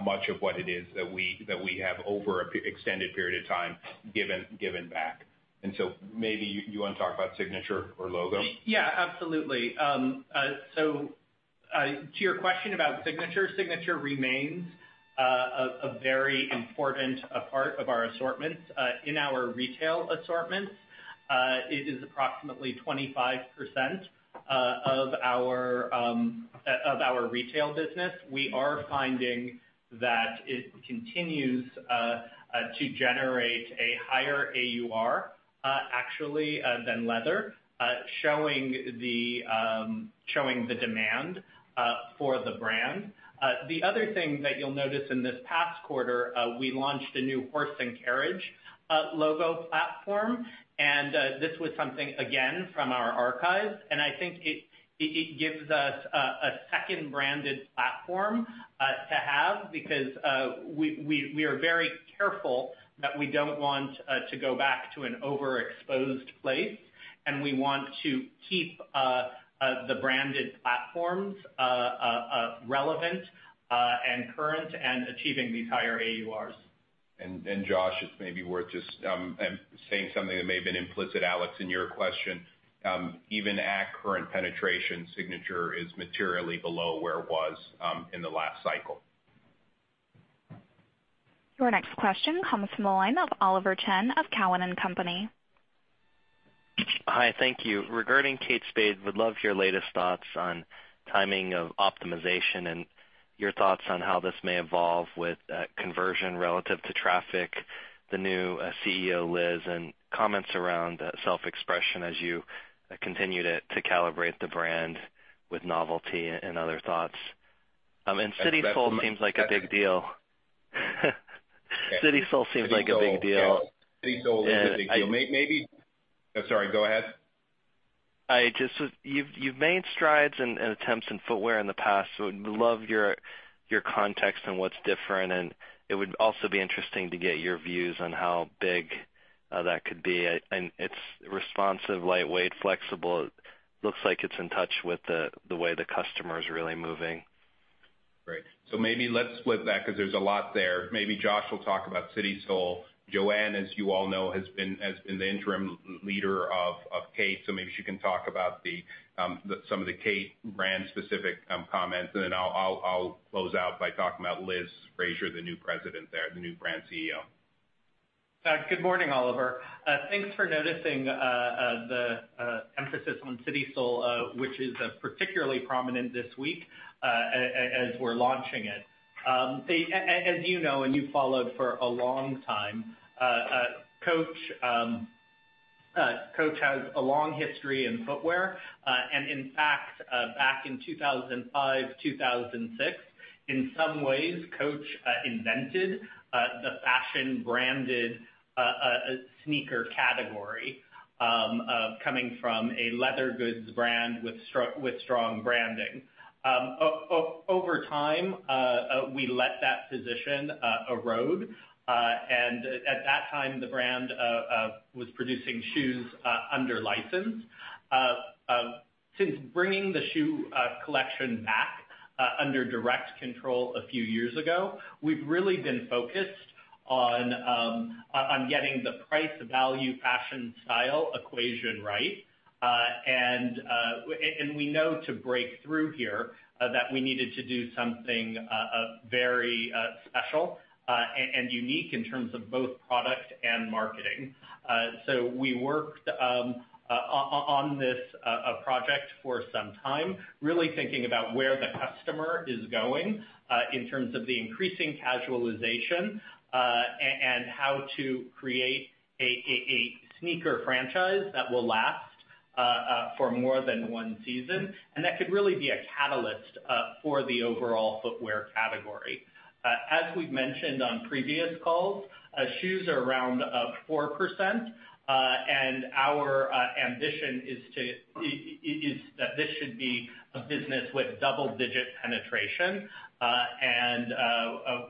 much of what it is that we have over an extended period of time given back. Maybe you want to talk about Signature or logo? Yeah, absolutely. To your question about Signature remains a very important part of our assortments. In our retail assortments, it is approximately 25% of our retail business. We are finding that it continues to generate a higher AUR, actually, than leather, showing the demand for the brand. The other thing that you'll notice in this past quarter, we launched a new Horse and Carriage logo platform. This was something, again, from our archives. I think it gives us a second branded platform to have because we are very careful that we don't want to go back to an overexposed place, and we want to keep the branded platforms relevant and current and achieving these higher AURs. Josh, it's maybe worth just saying something that may have been implicit, Alex, in your question. Even at current penetration, Signature is materially below where it was in the last cycle. Your next question comes from the line of Oliver Chen of Cowen and Company. Hi, thank you. Regarding Kate Spade, would love your latest thoughts on timing of optimization and your thoughts on how this may evolve with conversion relative to traffic, the new CEO, Liz, and comments around self-expression as you continue to calibrate the brand with novelty and other thoughts. CitySole seems like a big deal. CitySole is a big deal. I'm sorry. Go ahead. You've made strides and attempts in footwear in the past. Would love your context on what's different, and it would also be interesting to get your views on how big that could be. It's responsive, lightweight, flexible. Looks like it's in touch with the way the customer is really moving. Great. Maybe let's split that because there's a lot there. Maybe Josh will talk about CitySole. Joanne, as you all know, has been the interim leader of Kate. Maybe she can talk about some of the Kate brand specific comments. I'll close out by talking about Liz Fraser, the new president there, the new brand CEO. Good morning, Oliver. Thanks for noticing the emphasis on CitySole, which is particularly prominent this week as we're launching it. As you know, you followed for a long time, Coach has a long history in footwear. In fact, back in 2005, 2006, in some ways, Coach invented the fashion-branded sneaker category, coming from a leather goods brand with strong branding. Over time, we let that position erode, and at that time, the brand was producing shoes under license. Since bringing the shoe collection back under direct control a few years ago, we've really been focused on getting the price, value, fashion, style equation right. We know to break through here that we needed to do something very special and unique in terms of both product and marketing. We worked on this project for some time, really thinking about where the customer is going in terms of the increasing casualization, and how to create a sneaker franchise that will last for more than one season. That could really be a catalyst for the overall footwear category. As we've mentioned on previous calls, shoes are around 4%, and our ambition is that this should be a business with double-digit penetration.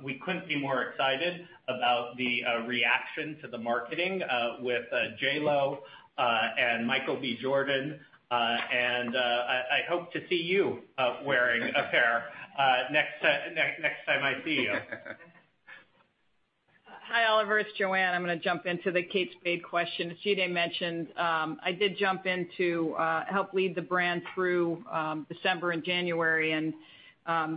We couldn't be more excited about the reaction to the marketing with J. Lo and Michael B. Jordan. I hope to see you wearing a pair next time I see you. Hi, Oliver, it's Joanne. I'm going to jump into the Kate Spade question. As you mentioned, I did jump in to help lead the brand through December and January. As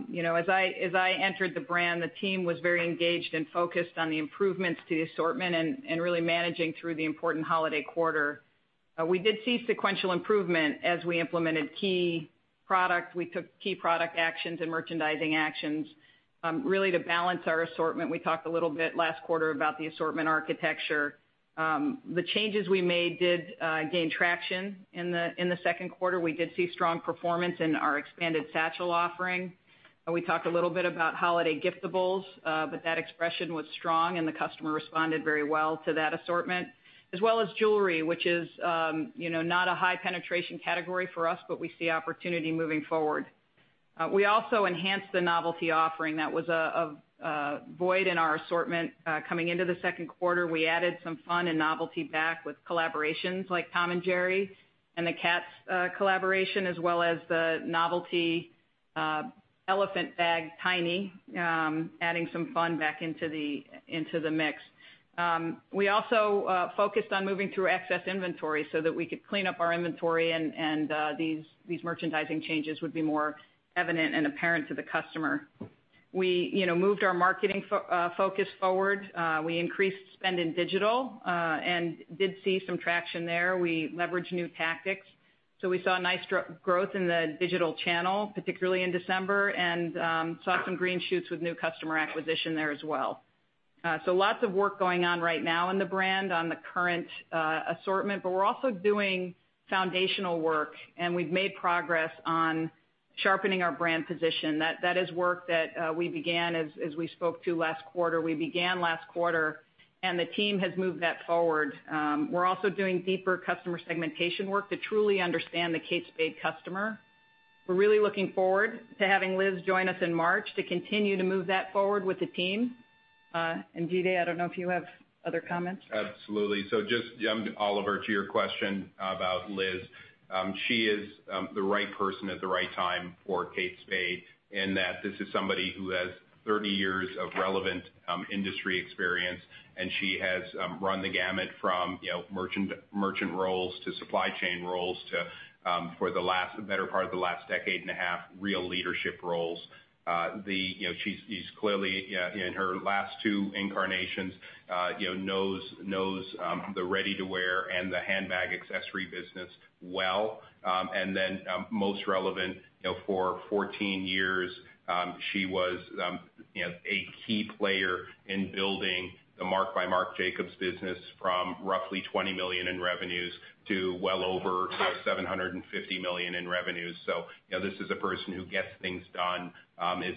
I entered the brand, the team was very engaged and focused on the improvements to the assortment and really managing through the important holiday quarter. We did see sequential improvement as we implemented key product. We took key product actions and merchandising actions really to balance our assortment. We talked a little bit last quarter about the assortment architecture. The changes we made did gain traction in the second quarter. We did see strong performance in our expanded satchel offering. We talked a little bit about holiday giftables, but that expression was strong, and the customer responded very well to that assortment. As well as jewelry, which is not a high penetration category for us, but we see opportunity moving forward. We also enhanced the novelty offering that was a void in our assortment. Coming into the second quarter, we added some fun and novelty back with collaborations like Tom and Jerry and the Cats collaboration, as well as the novelty Elephant bag, tiny, adding some fun back into the mix. We also focused on moving through excess inventory so that we could clean up our inventory, and these merchandising changes would be more evident and apparent to the customer. We moved our marketing focus forward. We increased spend in digital and did see some traction there. We leveraged new tactics. We saw nice growth in the digital channel, particularly in December, and saw some green shoots with new customer acquisition there as well. Lots of work going on right now in the brand on the current assortment, but we're also doing foundational work, and we've made progress on sharpening our brand position. That is work that we began, as we spoke to last quarter, and the team has moved that forward. We're also doing deeper customer segmentation work to truly understand the Kate Spade customer. We're really looking forward to having Liz join us in March to continue to move that forward with the team. Jide, I don't know if you have other comments. Absolutely. Just, Oliver, to your question about Liz. She is the right person at the right time for Kate Spade, in that this is somebody who has 30 years of relevant industry experience, and she has run the gamut from merchant roles to supply chain roles to, for the better part of the last decade and a half, real leadership roles. She's clearly, in her last two incarnations, knows the ready-to-wear and the handbag accessory business well. Most relevant, for 14 years, she was a key player in building the Marc by Marc Jacobs business from roughly $20 million in revenues to well over $750 million in revenues. This is a person who gets things done, has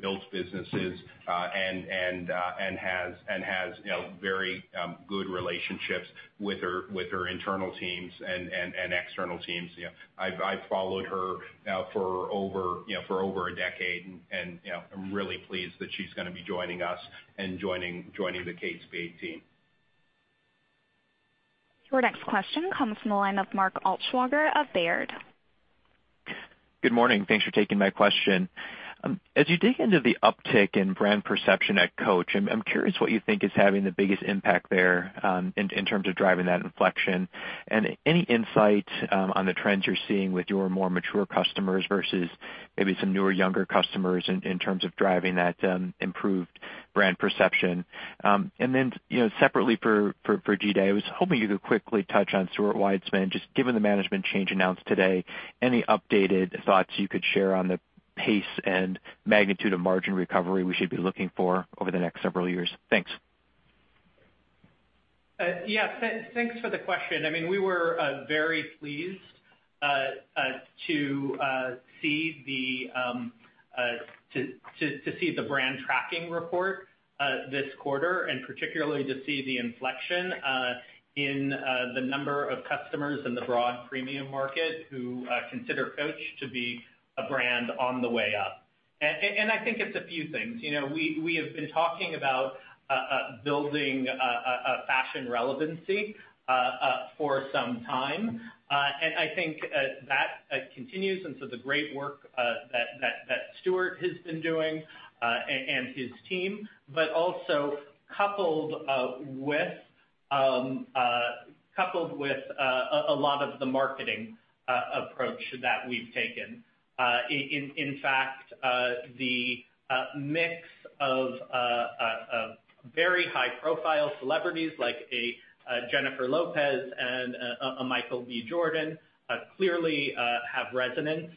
built businesses, and has very good relationships with her internal teams and external teams. I've followed her for over a decade, and I'm really pleased that she's going to be joining us and joining the Kate Spade team. Your next question comes from the line of Mark Altschwager of Baird. Good morning. Thanks for taking my question. As you dig into the uptick in brand perception at Coach, I'm curious what you think is having the biggest impact there in terms of driving that inflection. Any insight on the trends you're seeing with your more mature customers versus maybe some newer, younger customers in terms of driving that improved brand perception? Separately for Jide, I was hoping you could quickly touch on Stuart Weitzman, just given the management change announced today. Any updated thoughts you could share on the pace and magnitude of margin recovery we should be looking for over the next several years? Thanks. Yeah. Thanks for the question. We were very pleased to see the brand tracking report this quarter, and particularly to see the inflection in the number of customers in the broad premium market who consider Coach to be a brand on the way up. I think it's a few things. We have been talking about building a fashion relevancy for some time, and I think that continues. The great work that Stuart has been doing, and his team, but also coupled with a lot of the marketing approach that we've taken. In fact, the mix of very high-profile celebrities like a Jennifer Lopez and a Michael B. Jordan clearly have resonance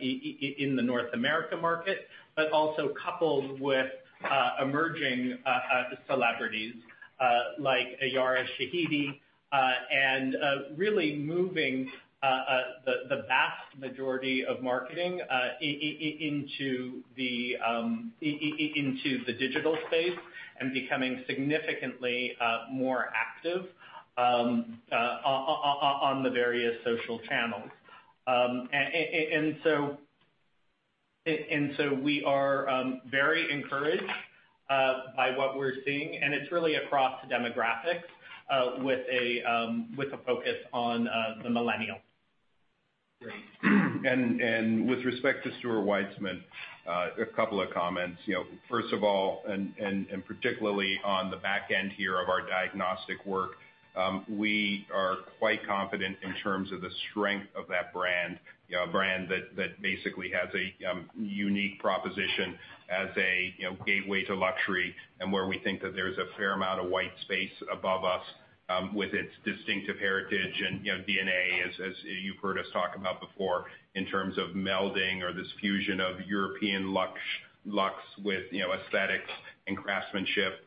in the North America market, but also coupled with emerging celebrities like a Yara Shahidi, and really moving the vast majority of marketing into the digital space and becoming significantly more active on the various social channels. We are very encouraged by what we're seeing, and it's really across demographics with a focus on the millennial. Great. With respect to Stuart Weitzman, a couple of comments. First of all, and particularly on the back end here of our diagnostic work, we are quite confident in terms of the strength of that brand. A brand that basically has a unique proposition as a gateway to luxury, and where we think that there's a fair amount of white space above us with its distinctive heritage and DNA, as you've heard us talk about before, in terms of melding or this fusion of European luxe with aesthetics and craftsmanship,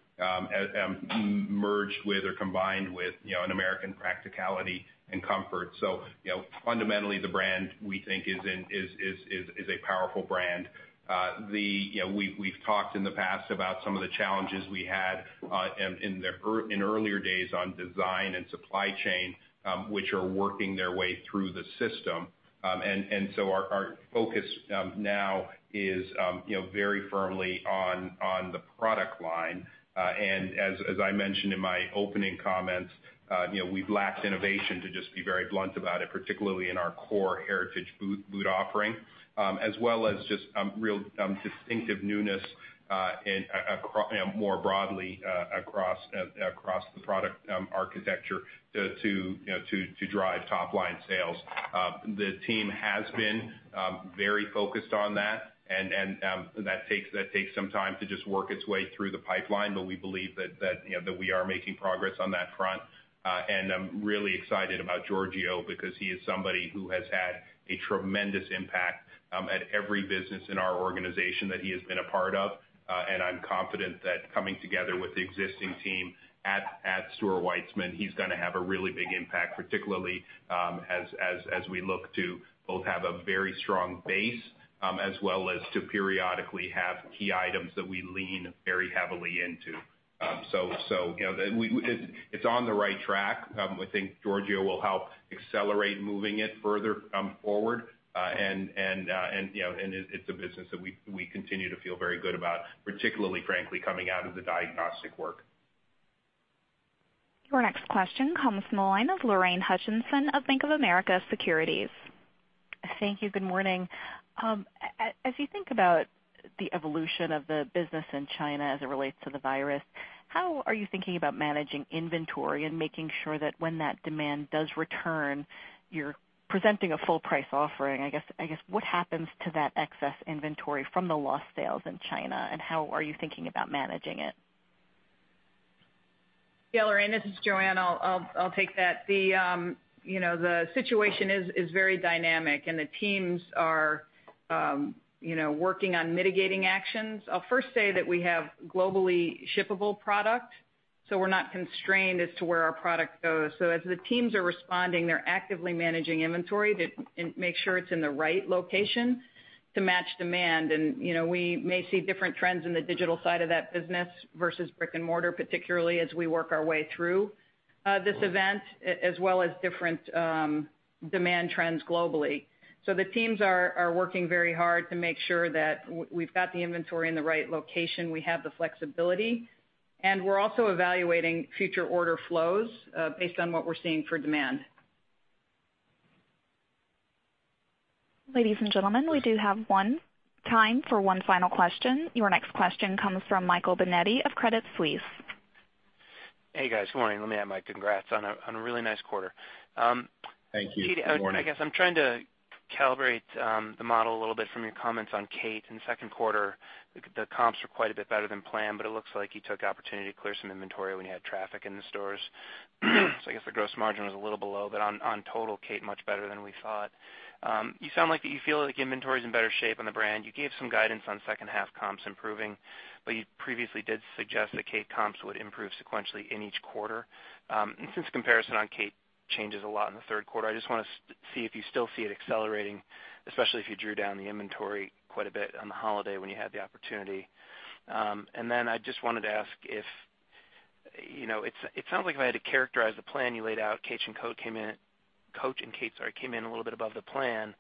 merged with or combined with an American practicality and comfort. Fundamentally the brand, we think is a powerful brand. We've talked in the past about some of the challenges we had in earlier days on design and supply chain, which are working their way through the system. Our focus now is very firmly on the product line. As I mentioned in my opening comments we've lacked innovation, to just be very blunt about it, particularly in our core heritage boot offering, as well as just real distinctive newness more broadly across the product architecture to drive top-line sales. The team has been very focused on that, and that takes some time to just work its way through the pipeline. We believe that we are making progress on that front. I'm really excited about Giorgio because he is somebody who has had a tremendous impact at every business in our organization that he has been a part of. I'm confident that coming together with the existing team at Stuart Weitzman, he's going to have a really big impact, particularly as we look to both have a very strong base, as well as to periodically have key items that we lean very heavily into. It's on the right track. We think Giorgio will help accelerate moving it further forward. It's a business that we continue to feel very good about, particularly frankly, coming out of the diagnostic work. Your next question comes from the line of Lorraine Hutchinson of Bank of America Securities. Thank you. Good morning. As you think about the evolution of the business in China as it relates to the virus, how are you thinking about managing inventory and making sure that when that demand does return, you're presenting a full price offering? I guess, what happens to that excess inventory from the lost sales in China, and how are you thinking about managing it? Yeah, Lorraine, this is Joanne. I'll take that. The situation is very dynamic and the teams are working on mitigating actions. I'll first say that we have globally shippable product, we're not constrained as to where our product goes. As the teams are responding, they're actively managing inventory to make sure it's in the right location to match demand. We may see different trends in the digital side of that business versus brick and mortar, particularly as we work our way through this event, as well as different demand trends globally. The teams are working very hard to make sure that we've got the inventory in the right location, we have the flexibility, and we're also evaluating future order flows based on what we're seeing for demand. Ladies and gentlemen, we do have time for one final question. Your next question comes from Michael Binetti of Credit Suisse. Hey, guys. Good morning. Let me add my congrats on a really nice quarter. Thank you. Good morning. Jide, I guess I'm trying to calibrate the model a little bit from your comments on Kate in the second quarter. The comps were quite a bit better than planned. It looks like you took the opportunity to clear some inventory when you had traffic in the stores. I guess the gross margin was a little below. On total, Kate much better than we thought. You sound like that you feel like inventory is in better shape on the brand. You gave some guidance on second half comps improving. You previously did suggest that Kate comps would improve sequentially in each quarter. Since comparison on Kate changes a lot in the third quarter, I just want to see if you still see it accelerating, especially if you drew down the inventory quite a bit on the holiday when you had the opportunity. I just wanted to ask if it sounds like if I had to characterize the plan you laid out, Coach and Kate came in a little bit above the plan.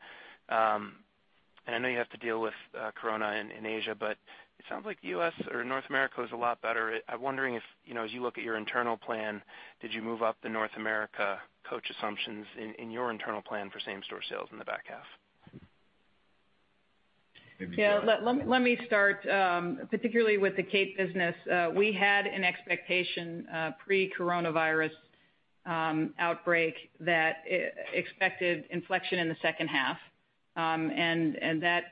I know you have to deal with corona in Asia, but it sounds like U.S. or North America is a lot better. I'm wondering if as you look at your internal plan, did you move up the North America Coach assumptions in your internal plan for same store sales in the back half? Maybe Joanne. Let me start, particularly with the Kate. We had an expectation pre-coronavirus outbreak that expected inflection in the second half. That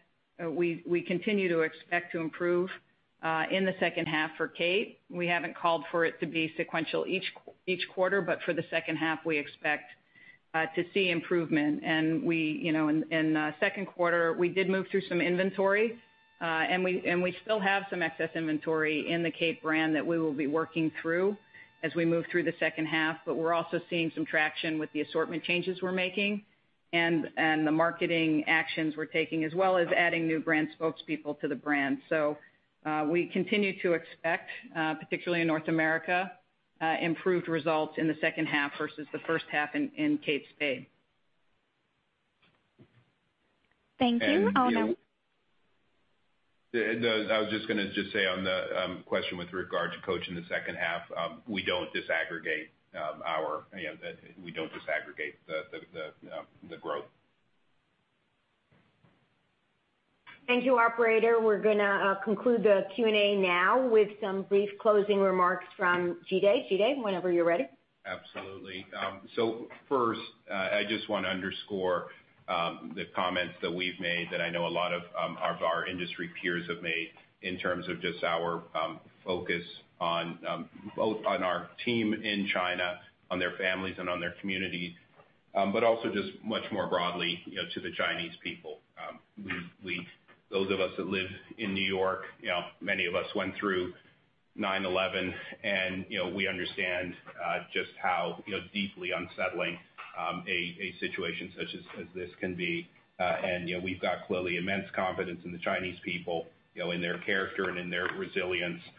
we continue to expect to improve in the second half for Kate. We haven't called for it to be sequential each quarter, but for the second half, we expect to see improvement. In the second quarter, we did move through some inventory, and we still have some excess inventory in the Kate that we will be working through as we move through the second half. We're also seeing some traction with the assortment changes we're making and the marketing actions we're taking, as well as adding new brand spokespeople to the brand. We continue to expect, particularly in North America, improved results in the second half versus the first half in Kate Spade. Thank you. I was just going to say on the question with regard to Coach in the second half. We don't disaggregate the growth. Thank you, operator. We're going to conclude the Q&A now with some brief closing remarks from Jide. Jide, whenever you're ready. Absolutely. First, I just want to underscore the comments that we've made that I know a lot of our industry peers have made in terms of just our focus on both on our team in China, on their families and on their communities. Also just much more broadly to the Chinese people. Those of us that live in New York, many of us went through 9/11, and we understand just how deeply unsettling a situation such as this can be. We've got clearly immense confidence in the Chinese people, in their character and in their resilience, and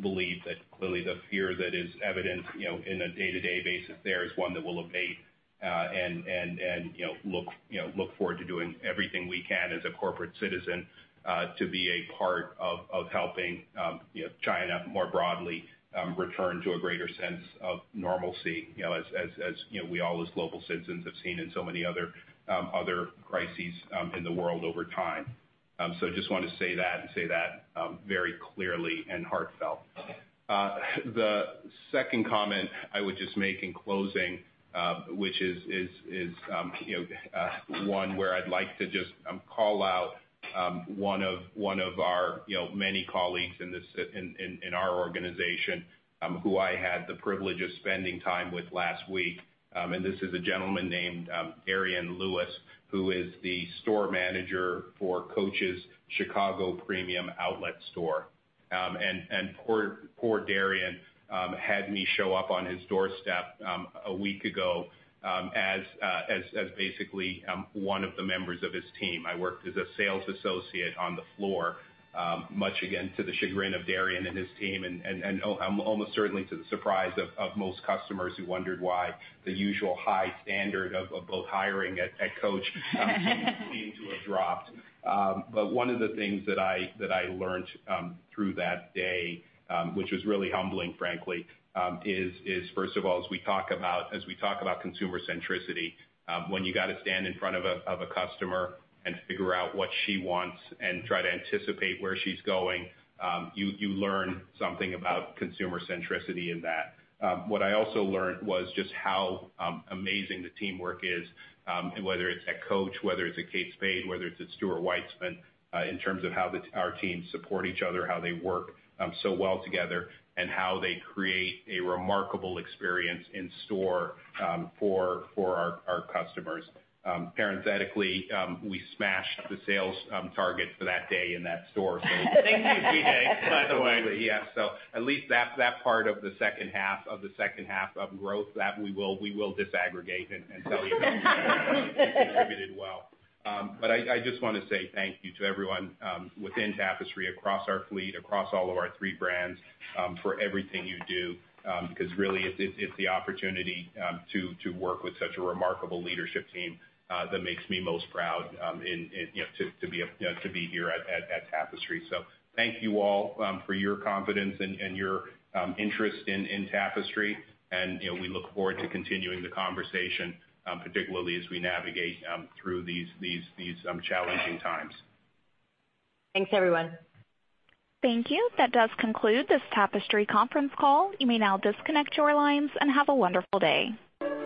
believe that clearly the fear that is evident in a day-to-day basis there is one that will abate, and look forward to doing everything we can as a corporate citizen to be a part of helping China more broadly return to a greater sense of normalcy, as we all, as global citizens, have seen in so many other crises in the world over time. Just want to say that and say that very clearly and heartfelt. The second comment I would just make in closing, which is one where I'd like to just call out one of our many colleagues in our organization, who I had the privilege of spending time with last week, and this is a gentleman named Darian Lewis, who is the store manager for Coach's Chicago premium outlet store. Poor Darian had me show up on his doorstep a week ago as basically one of the members of his team. I worked as a sales associate on the floor, much again to the chagrin of Darian and his team, and almost certainly to the surprise of most customers who wondered why the usual high standard of both hiring at Coach seemed to have dropped. One of the things that I learned through that day, which was really humbling, frankly, is first of all, as we talk about consumer centricity, when you got to stand in front of a customer and figure out what she wants and try to anticipate where she's going, you learn something about consumer centricity in that. What I also learned was just how amazing the teamwork is, and whether it's at Coach, whether it's at Kate Spade, whether it's at Stuart Weitzman, in terms of how our teams support each other, how they work so well together, and how they create a remarkable experience in store for our customers. Parenthetically, we smashed the sales target for that day in that store. Thank you, Jide. By the way, at least that part of the second half of growth, that we will disaggregate and tell you about. It contributed well. I just want to say thank you to everyone within Tapestry, across our fleet, across all of our three brands, for everything you do because really it's the opportunity to work with such a remarkable leadership team that makes me most proud to be here at Tapestry. Thank you all for your confidence and your interest in Tapestry, and we look forward to continuing the conversation, particularly as we navigate through these challenging times. Thanks, everyone. Thank you. That does conclude this Tapestry conference call. You may now disconnect your lines and have a wonderful day.